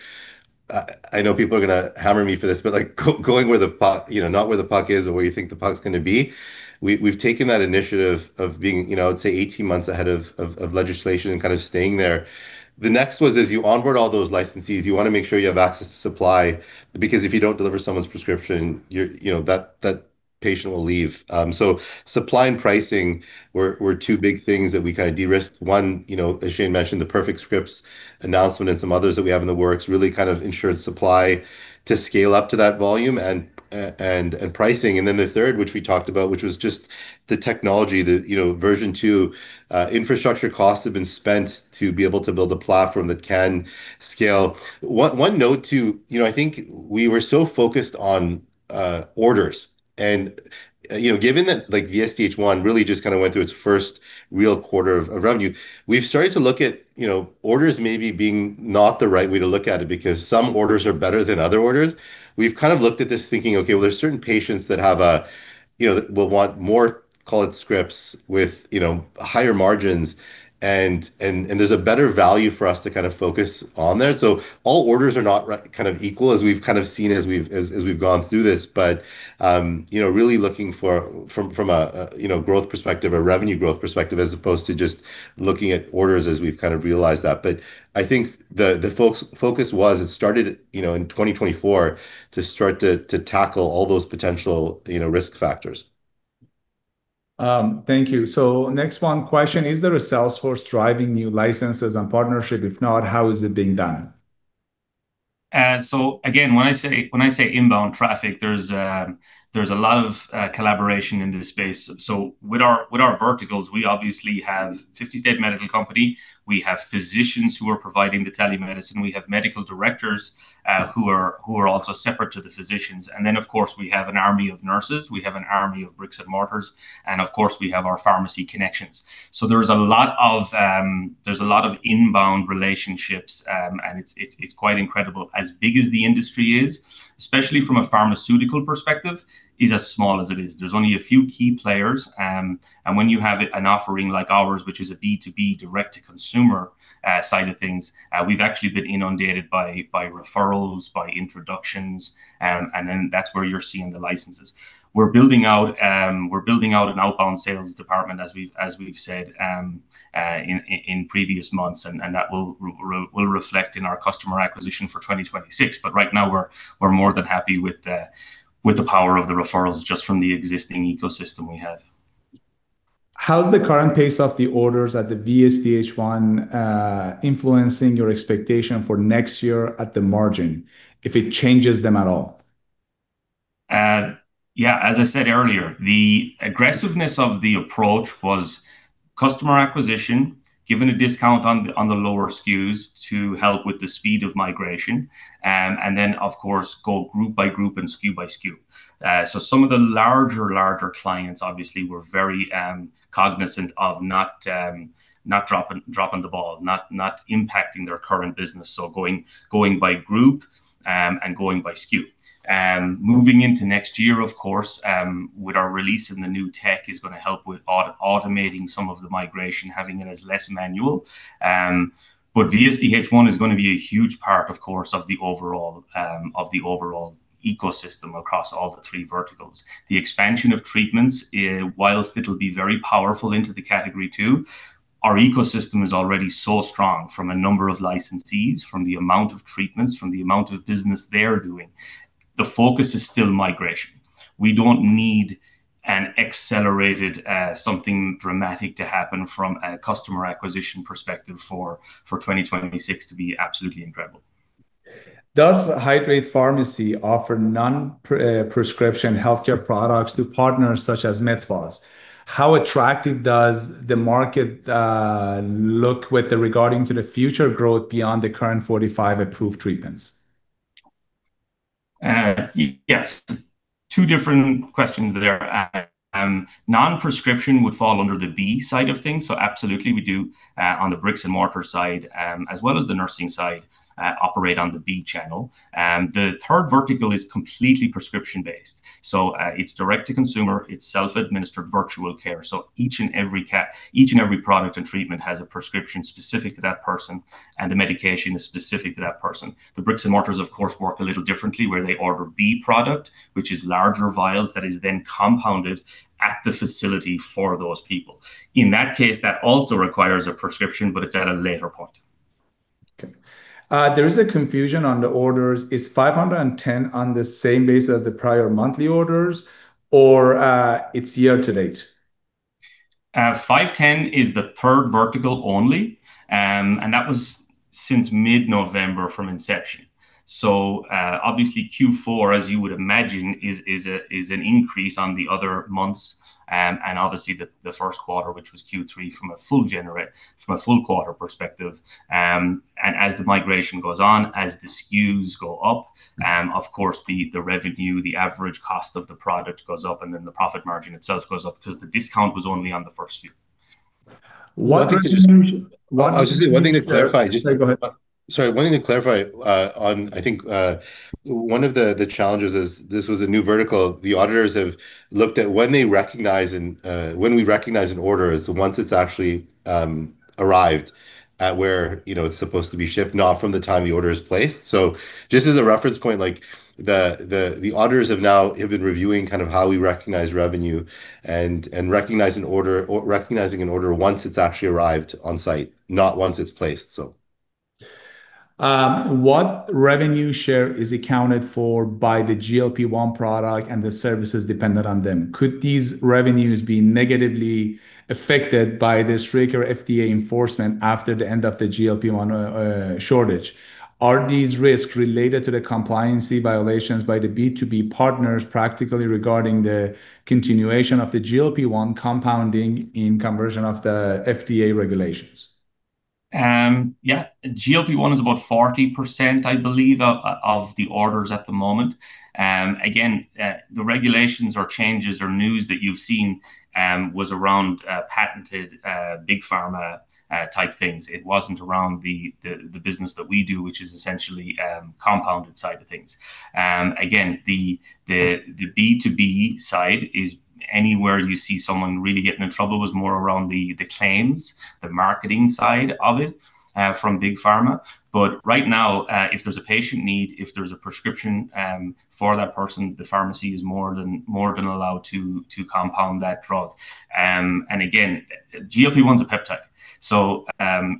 I know people are going to hammer me for this, but going where the puck, not where the puck is, but where you think the puck's going to be. We've taken that initiative of being, I would say, 18 months ahead of legislation and kind of staying there. The next was, as you onboard all those licensees, you want to make sure you have access to supply because if you don't deliver someone's prescription, that patient will leave. Supply and pricing were two big things that we kind of de-risked. One, as Shane mentioned, the Perfect Scripts announcement and some others that we have in the works really kind of ensured supply to scale up to that volume and pricing. The third, which we talked about, which was just the technology, the Version 2 infrastructure costs have been spent to be able to build a platform that can scale. One note too, I think we were so focused on orders. Given that VSDHOne really just kind of went through its first real quarter of revenue, we've started to look at orders maybe being not the right way to look at it because some orders are better than other orders. We've kind of looked at this thinking, okay, there's certain patients that will want more, call it, scripts with higher margins, and there's a better value for us to kind of focus on there. All orders are not kind of equal, as we've kind of seen as we've gone through this, but really looking from a growth perspective, a revenue growth perspective, as opposed to just looking at orders as we've kind of realized that. I think the focus was it started in 2024 to start to tackle all those potential risk factors. Thank you. Next one question, is there a sales force driving new licenses and partnership? If not, how is it being done? Again, when I say inbound traffic, there's a lot of collaboration in this space. With our verticals, we obviously have a 50-state medical company. We have physicians who are providing the telemedicine. We have medical directors who are also separate to the physicians. Of course, we have an army of nurses. We have an army of bricks and mortars. Of course, we have our pharmacy connections. There is a lot of inbound relationships, and it is quite incredible. As big as the industry is, especially from a pharmaceutical perspective, it is as small as it is. There are only a few key players. When you have an offering like ours, which is a B2B direct-to-consumer side of things, we have actually been inundated by referrals, by introductions, and that is where you are seeing the licenses. We are building out an outbound sales department, as we have said in previous months, and that will reflect in our customer acquisition for 2026. Right now, we are more than happy with the power of the referrals just from the existing ecosystem we have. How is the current pace of the orders at the VSDHOne influencing your expectation for next year at the margin, if it changes them at all? Yeah. As I said earlier, the aggressiveness of the approach was customer acquisition, giving a discount on the lower SKUs to help with the speed of migration, and then, of course, go group by group and SKU by SKU. Some of the larger, larger clients, obviously, were very cognizant of not dropping the ball, not impacting their current business. Going by group and going by SKU. Moving into next year, of course, with our release of the new tech, it is going to help with automating some of the migration, having it as less manual. VSDHOne is going to be a huge part, of course, of the overall ecosystem across all the three verticals. The expansion of treatments, whilst it'll be very powerful into the category two, our ecosystem is already so strong from a number of licensees, from the amount of treatments, from the amount of business they're doing. The focus is still migration. We don't need an accelerated, something dramatic to happen from a customer acquisition perspective for 2026 to be absolutely incredible. Does Hydreight Pharmacy offer non-prescription healthcare products to partners such as Medspas? How attractive does the market look with regarding to the future growth beyond the current 45-approved treatments? Yes. Two different questions there. Non-prescription would fall under the B side of things. So absolutely, we do on the bricks and mortar side, as well as the nursing side, operate on the B channel. The third vertical is completely prescription-based. It is direct-to-consumer. It is self-administered virtual care. Each and every product and treatment has a prescription specific to that person, and the medication is specific to that person. The bricks and mortars, of course, work a little differently, where they order B product, which is larger vials that is then compounded at the facility for those people. In that case, that also requires a prescription, but it is at a later point. There is a confusion on the orders. Is 510,000 on the same base as the prior monthly orders, or is it year-to-date? 510,000 is the third vertical only, and that was since mid-November from inception. Obviously, Q4, as you would imagine, is an increase on the other months and obviously the first quarter, which was Q3 from a full quarter perspective. As the migration goes on, as the SKUs go up, of course, the revenue, the average cost of the product goes up, and then the profit margin itself goes up because the discount was only on the first few. I think there's a huge—one thing to clarify—sorry, go ahead. -- Sorry, one thing to clarify on, I think one of the challenges is this was a new vertical. The auditors have looked at when we recognize an order is once it's actually arrived at where it's supposed to be shipped, not from the time the order is placed. Just as a reference point, the auditors have now been reviewing kind of how we recognize revenue and recognizing an order once it's actually arrived on site, not once it's placed. What revenue share is accounted for by the GLP-1 product and the services dependent on them? Could these revenues be negatively affected by the SRCA or FDA enforcement after the end of the GLP-1 shortage? Are these risks related to the compliancy violations by the B2B partners practically regarding the continuation of the GLP-1 compounding in conversion of the FDA regulations? Yeah. GLP-1 is about 40% of the orders at the moment. Again, the regulations or changes or news that you've seen was around patented big pharma type things. It was not around the business that we do, which is essentially compounded side of things. Again, the B2B side is anywhere you see someone really getting in trouble was more around the claims, the marketing side of it from big pharma. Right now, if there is a patient need, if there is a prescription for that person, the pharmacy is more than allowed to compound that drug. GLP-1 is a peptide.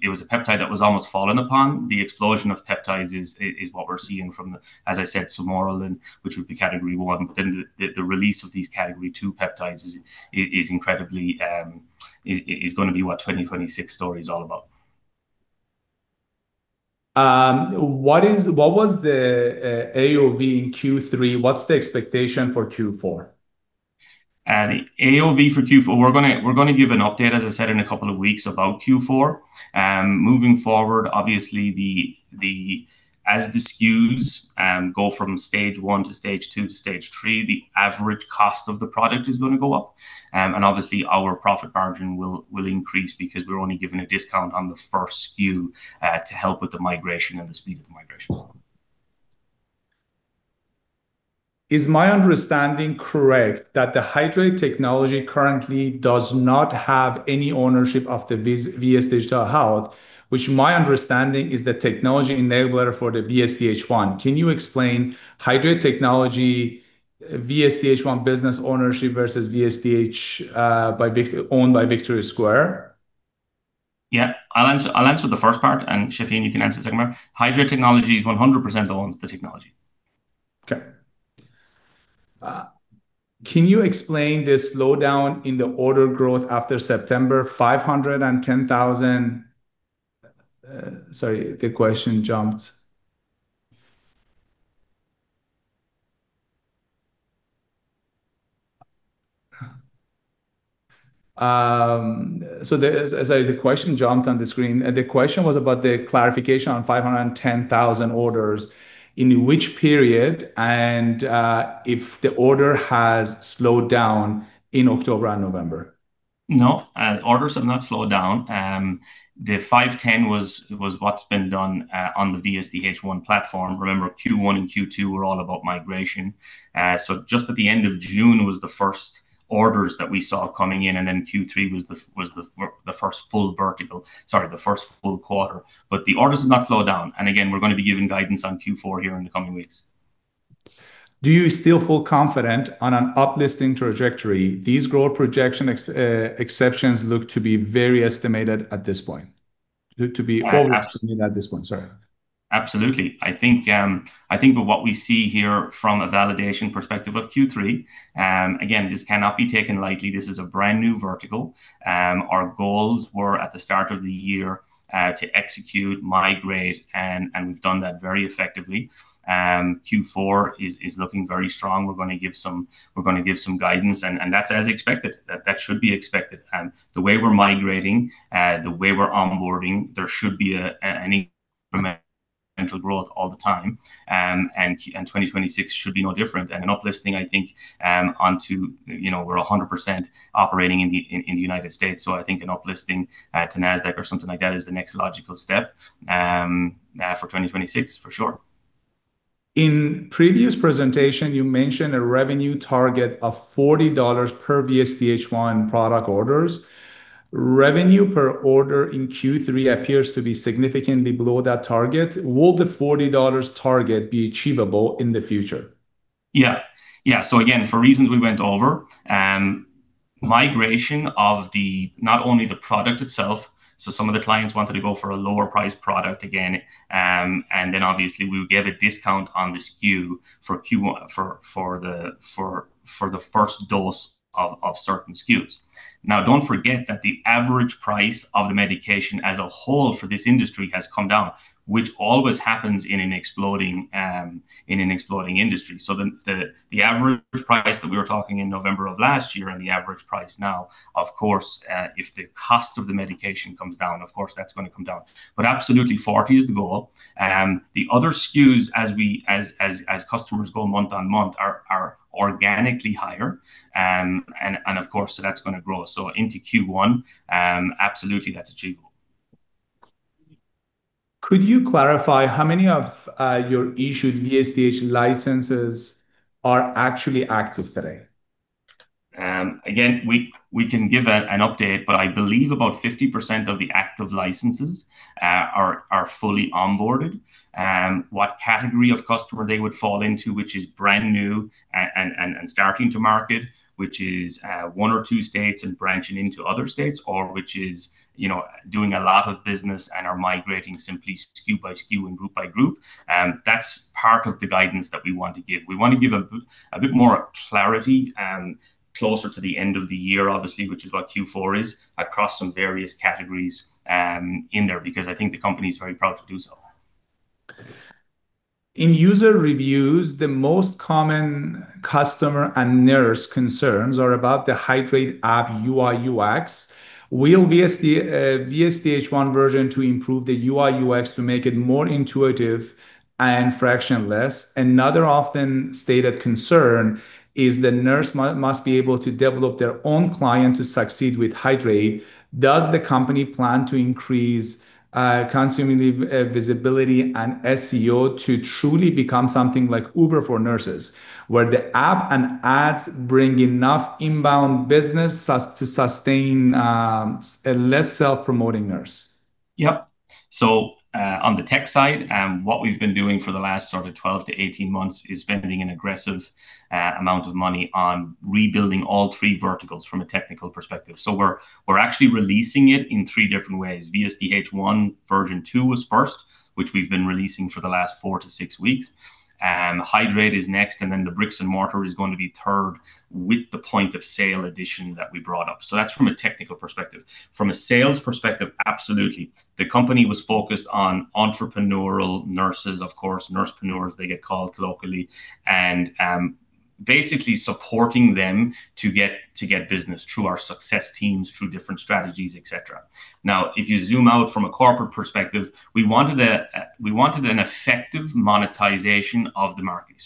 It was a peptide that was almost fallen upon. The explosion of peptides is what we're seeing from, as I said, sermorelin, which would be category one. The release of these category two peptides is going to be what 2026 story is all about. What was the AOV in Q3? What's the expectation for Q4? AOV for Q4, we're going to give an update, as I said, in a couple of weeks about Q4. Moving forward, obviously, as the SKUs go from stage I to stage II to stage III, the average cost of the product is going to go up. Obviously, our profit margin will increase because we're only given a discount on the first SKU to help with the migration and the speed of the migration. Is my understanding correct that the Hydreight technology currently does not have any ownership of the VS Digital Health, which my understanding is the technology enabler for the VSDHOne? Can you explain Hydreight technology, VSDHOne business ownership versus VSDH owned by Victory Square? Yeah. I'll answer the first part, and Shafin, you can answer the second part. Hydreight technology is 100% the owns the technology. Okay. Can you explain this slowdown in the order growth after September? 510,000. Sorry, the question jumped. The question was about the clarification on 510,000 orders. In which period and if the order has slowed down in October and November? No, orders have not slowed down. The 510,000 was what's been done on the VSDHOne platform. Remember, Q1 and Q2 were all about migration. Just at the end of June was the first orders that we saw coming in, and then Q3 was the first full vertical, sorry, the first full quarter. The orders have not slowed down. Again, we're going to be given guidance on Q4 here in the coming weeks. Do you still feel confident on an uplifting trajectory? These growth projection exceptions look to be very estimated at this point, to be overestimated at this point, sorry. Absolutely. I think what we see here from a validation perspective of Q3, again, this cannot be taken lightly. This is a brand new vertical. Our goals were at the start of the year to execute, migrate, and we've done that very effectively. Q4 is looking very strong. We're going to give some guidance, and that's as expected. That should be expected. The way we're migrating, the way we're onboarding, there should be incremental growth all the time. 2026 should be no different. An uplifting, I think, onto we're 100% operating in the United States. I think an uplifting to NASDAQ or something like that is the next logical step for 2026, for sure. In previous presentation, you mentioned a revenue target of $40 per VSDHOne product orders. Revenue per order in Q3 appears to be significantly below that target. Will the $40 target be achievable in the future? Yeah. For reasons we went over, migration of not only the product itself, some of the clients wanted to go for a lower-priced product, again, and then obviously, we will give a discount on the SKU for the first dose of certain SKUs. Now, don't forget that the average price of the medication as a whole for this industry has come down, which always happens in an exploding industry. The average price that we were talking in November of last year and the average price now, of course, if the cost of the medication comes down, of course, that's going to come down. Absolutely, $40 is the goal. The other SKUs, as customers go month on month, are organically higher. Of course, that's going to grow. Into Q1, absolutely, that's achievable. Could you clarify how many of your issued VSDH licenses are actually active today? Again, we can give an update, but I believe about 50% of the active licenses are fully onboarded. What category of customer they would fall into, which is brand new and starting to market, which is one or two states and branching into other states, or which is doing a lot of business and are migrating simply SKU by SKU and group by group, that's part of the guidance that we want to give. We want to give a bit more clarity closer to the end of the year, obviously, which is what Q4 is, across some various categories in there because I think the company is very proud to do so. In user reviews, the most common customer and nurse concerns are about the Hydreight app UI/UX. Will VSDHOne Version 2 improve the UI/UX to make it more intuitive and frictionless? Another often stated concern is the nurse must be able to develop their own client to succeed with Hydreight. Does the company plan to increase consumer visibility and SEO to truly become something like Uber for nurses, where the app and ads bring enough inbound business to sustain a less self-promoting nurse? Yep. On the tech side, what we've been doing for the last sort of 12 to 18 months is spending an aggressive amount of money on rebuilding all three verticals from a technical perspective. We're actually releasing it in three different ways. VSDHOne Version 2 was first, which we've been releasing for the last four to six weeks. Hydreight is next, and then the bricks and mortar is going to be third with the point of sale addition that we brought up. That's from a technical perspective. From a sales perspective, absolutely. The company was focused on entrepreneurial nurses, of course, nursepreneurs, they get called locally, and basically supporting them to get business through our success teams, through different strategies, etc. Now, if you zoom out from a corporate perspective, we wanted an effective monetization of the market.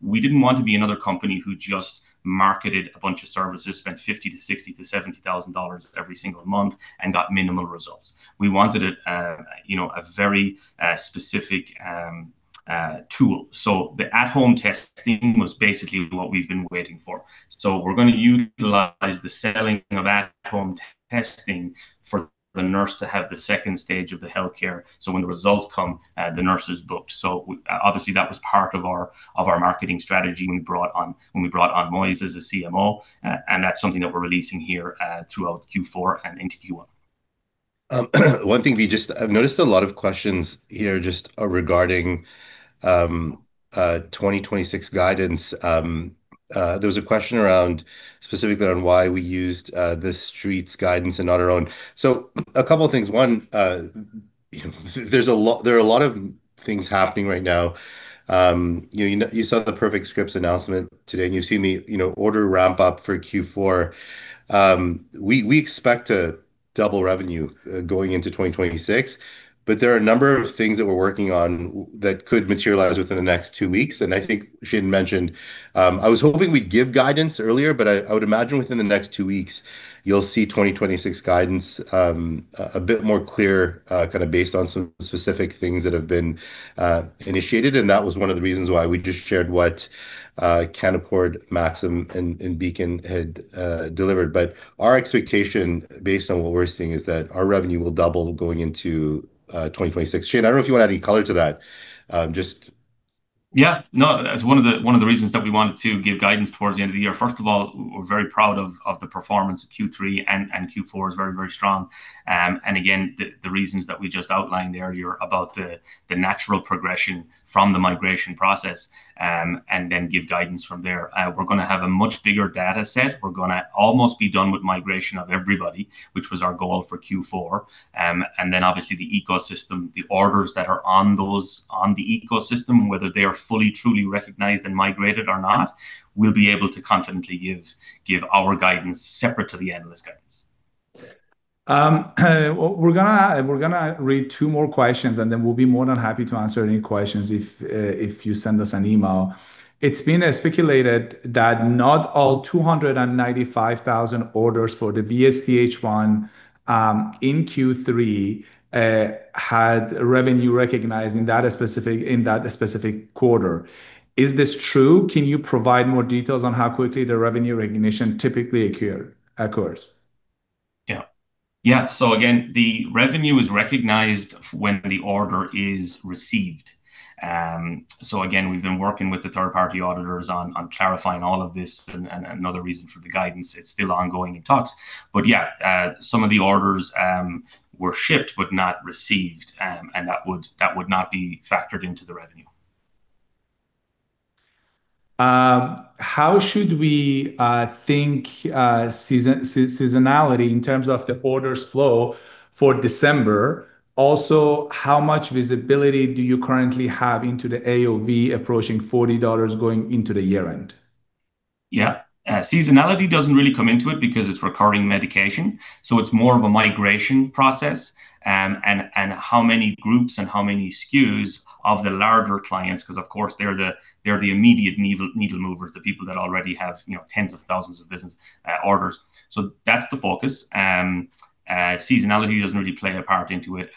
We did not want to be another company who just marketed a bunch of services, spent $50,000-60,000-70,000 every single month and got minimal results. We wanted a very specific tool. The at-home testing was basically what we have been waiting for. We are going to utilize the selling of at-home testing for the nurse to have the second stage of the healthcare. When the results come, the nurse is booked. Obviously, that was part of our marketing strategy when we brought on Moiz as CMO. That's something that we're releasing here throughout Q4 and into Q1. One thing, I just noticed a lot of questions here regarding 2026 guidance. There was a question specifically on why we used the street's guidance and not our own. A couple of things. One, there are a lot of things happening right now. You saw the Perfect Scripts announcement today, and you've seen the order ramp up for Q4. We expect to double revenue going into 2026, but there are a number of things that we're working on that could materialize within the next two weeks. I think Shane mentioned, I was hoping we'd give guidance earlier, but I would imagine within the next two weeks, you'll see 2026 guidance a bit more clear, kind of based on some specific things that have been initiated. That was one of the reasons why we just shared what Canaccord, Maxim, and Beacon had delivered. Our expectation based on what we're seeing is that our revenue will double going into 2026. Shane, I don't know if you want to add any color to that. Yeah. No, that's one of the reasons that we wanted to give guidance towards the end of the year. First of all, we're very proud of the performance of Q3 and Q4 is very, very strong. Again, the reasons that we just outlined earlier about the natural progression from the migration process and then give guidance from there. We're going to have a much bigger data set. We're going to almost be done with migration of everybody, which was our goal for Q4. Obviously, the ecosystem, the orders that are on the ecosystem, whether they are fully, truly recognized and migrated or not, we'll be able to confidently give our guidance separate to the analyst guidance. We're going to read two more questions, and then we'll be more than happy to answer any questions if you send us an email. It's been speculated that not all 295,000 orders for the VSDHOne in Q3 had revenue recognized in that specific quarter. Is this true? Can you provide more details on how quickly the revenue recognition typically occurs? Yeah. The revenue is recognized when the order is received. We've been working with the third-party auditors on clarifying all of this. Another reason for the guidance, it's still ongoing in talks. Yeah, some of the orders were shipped but not received, and that would not be factored into the revenue. How should we think seasonality in terms of the orders flow for December? Also, how much visibility do you currently have into the AOV approaching $40 going into the year-end? Yeah. Seasonality does not really come into it because it is recurring medication. It is more of a migration process and how many groups and how many SKUs of the larger clients, because of course, they are the immediate needle movers, the people that already have tens of thousands of business orders. That is the focus. Seasonality does not really play a part into it.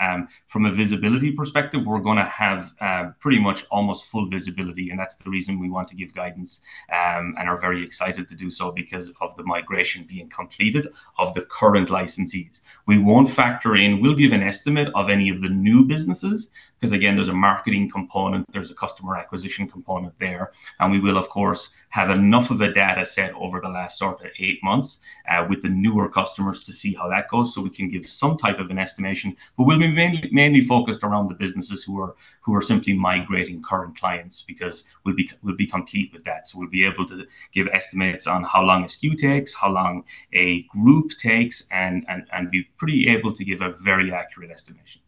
From a visibility perspective, we are going to have pretty much almost full visibility. That is the reason we want to give guidance and are very excited to do so because of the migration being completed of the current licensees. We will not factor in, we will give an estimate of any of the new businesses because, again, there is a marketing component, there is a customer acquisition component there. We will, of course, have enough of a data set over the last sort of eight months with the newer customers to see how that goes so we can give some type of an estimation. We will be mainly focused around the businesses who are simply migrating current clients because we will be complete with that. We will be able to give estimates on how long a SKU takes, how long a group takes, and be pretty able to give a very accurate estimation.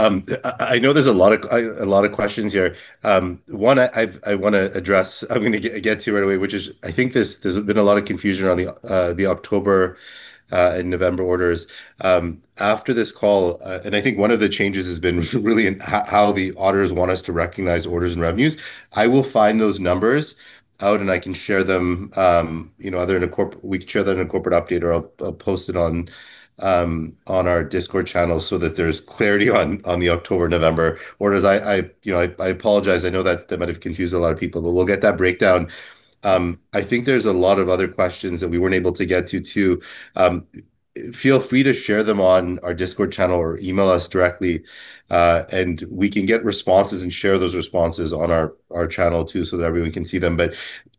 I know there are a lot of questions here. One I want to address, I am going to get to right away, which is I think there has been a lot of confusion around the October and November orders. After this call, and I think one of the changes has been really in how the auditors want us to recognize orders and revenues. I will find those numbers out and I can share them either in a corporate, we can share that in a corporate update or I'll post it on our Discord channel so that there's clarity on the October-November orders. I apologize. I know that might have confused a lot of people, but we'll get that breakdown. I think there's a lot of other questions that we weren't able to get to, too. Feel free to share them on our Discord channel or email us directly, and we can get responses and share those responses on our channel too so that everyone can see them.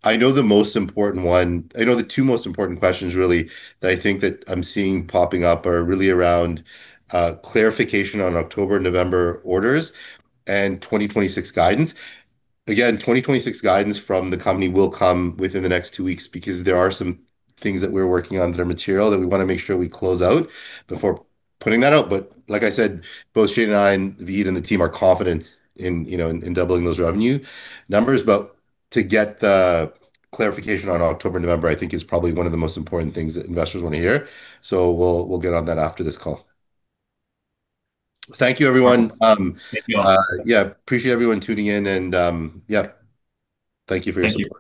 I know the most important one, I know the two most important questions really that I think that I'm seeing popping up are really around clarification on October-November orders and 2026 guidance. Again, 2026 guidance from the company will come within the next two weeks because there are some things that we're working on that are material that we want to make sure we close out before putting that out. Like I said, both Shane and I and Vahid and the team are confident in doubling those revenue numbers. To get the clarification on October-November, I think is probably one of the most important things that investors want to hear. We'll get on that after this call. Thank you, everyone. Yeah. Appreciate everyone tuning in. Yeah, thank you for your support.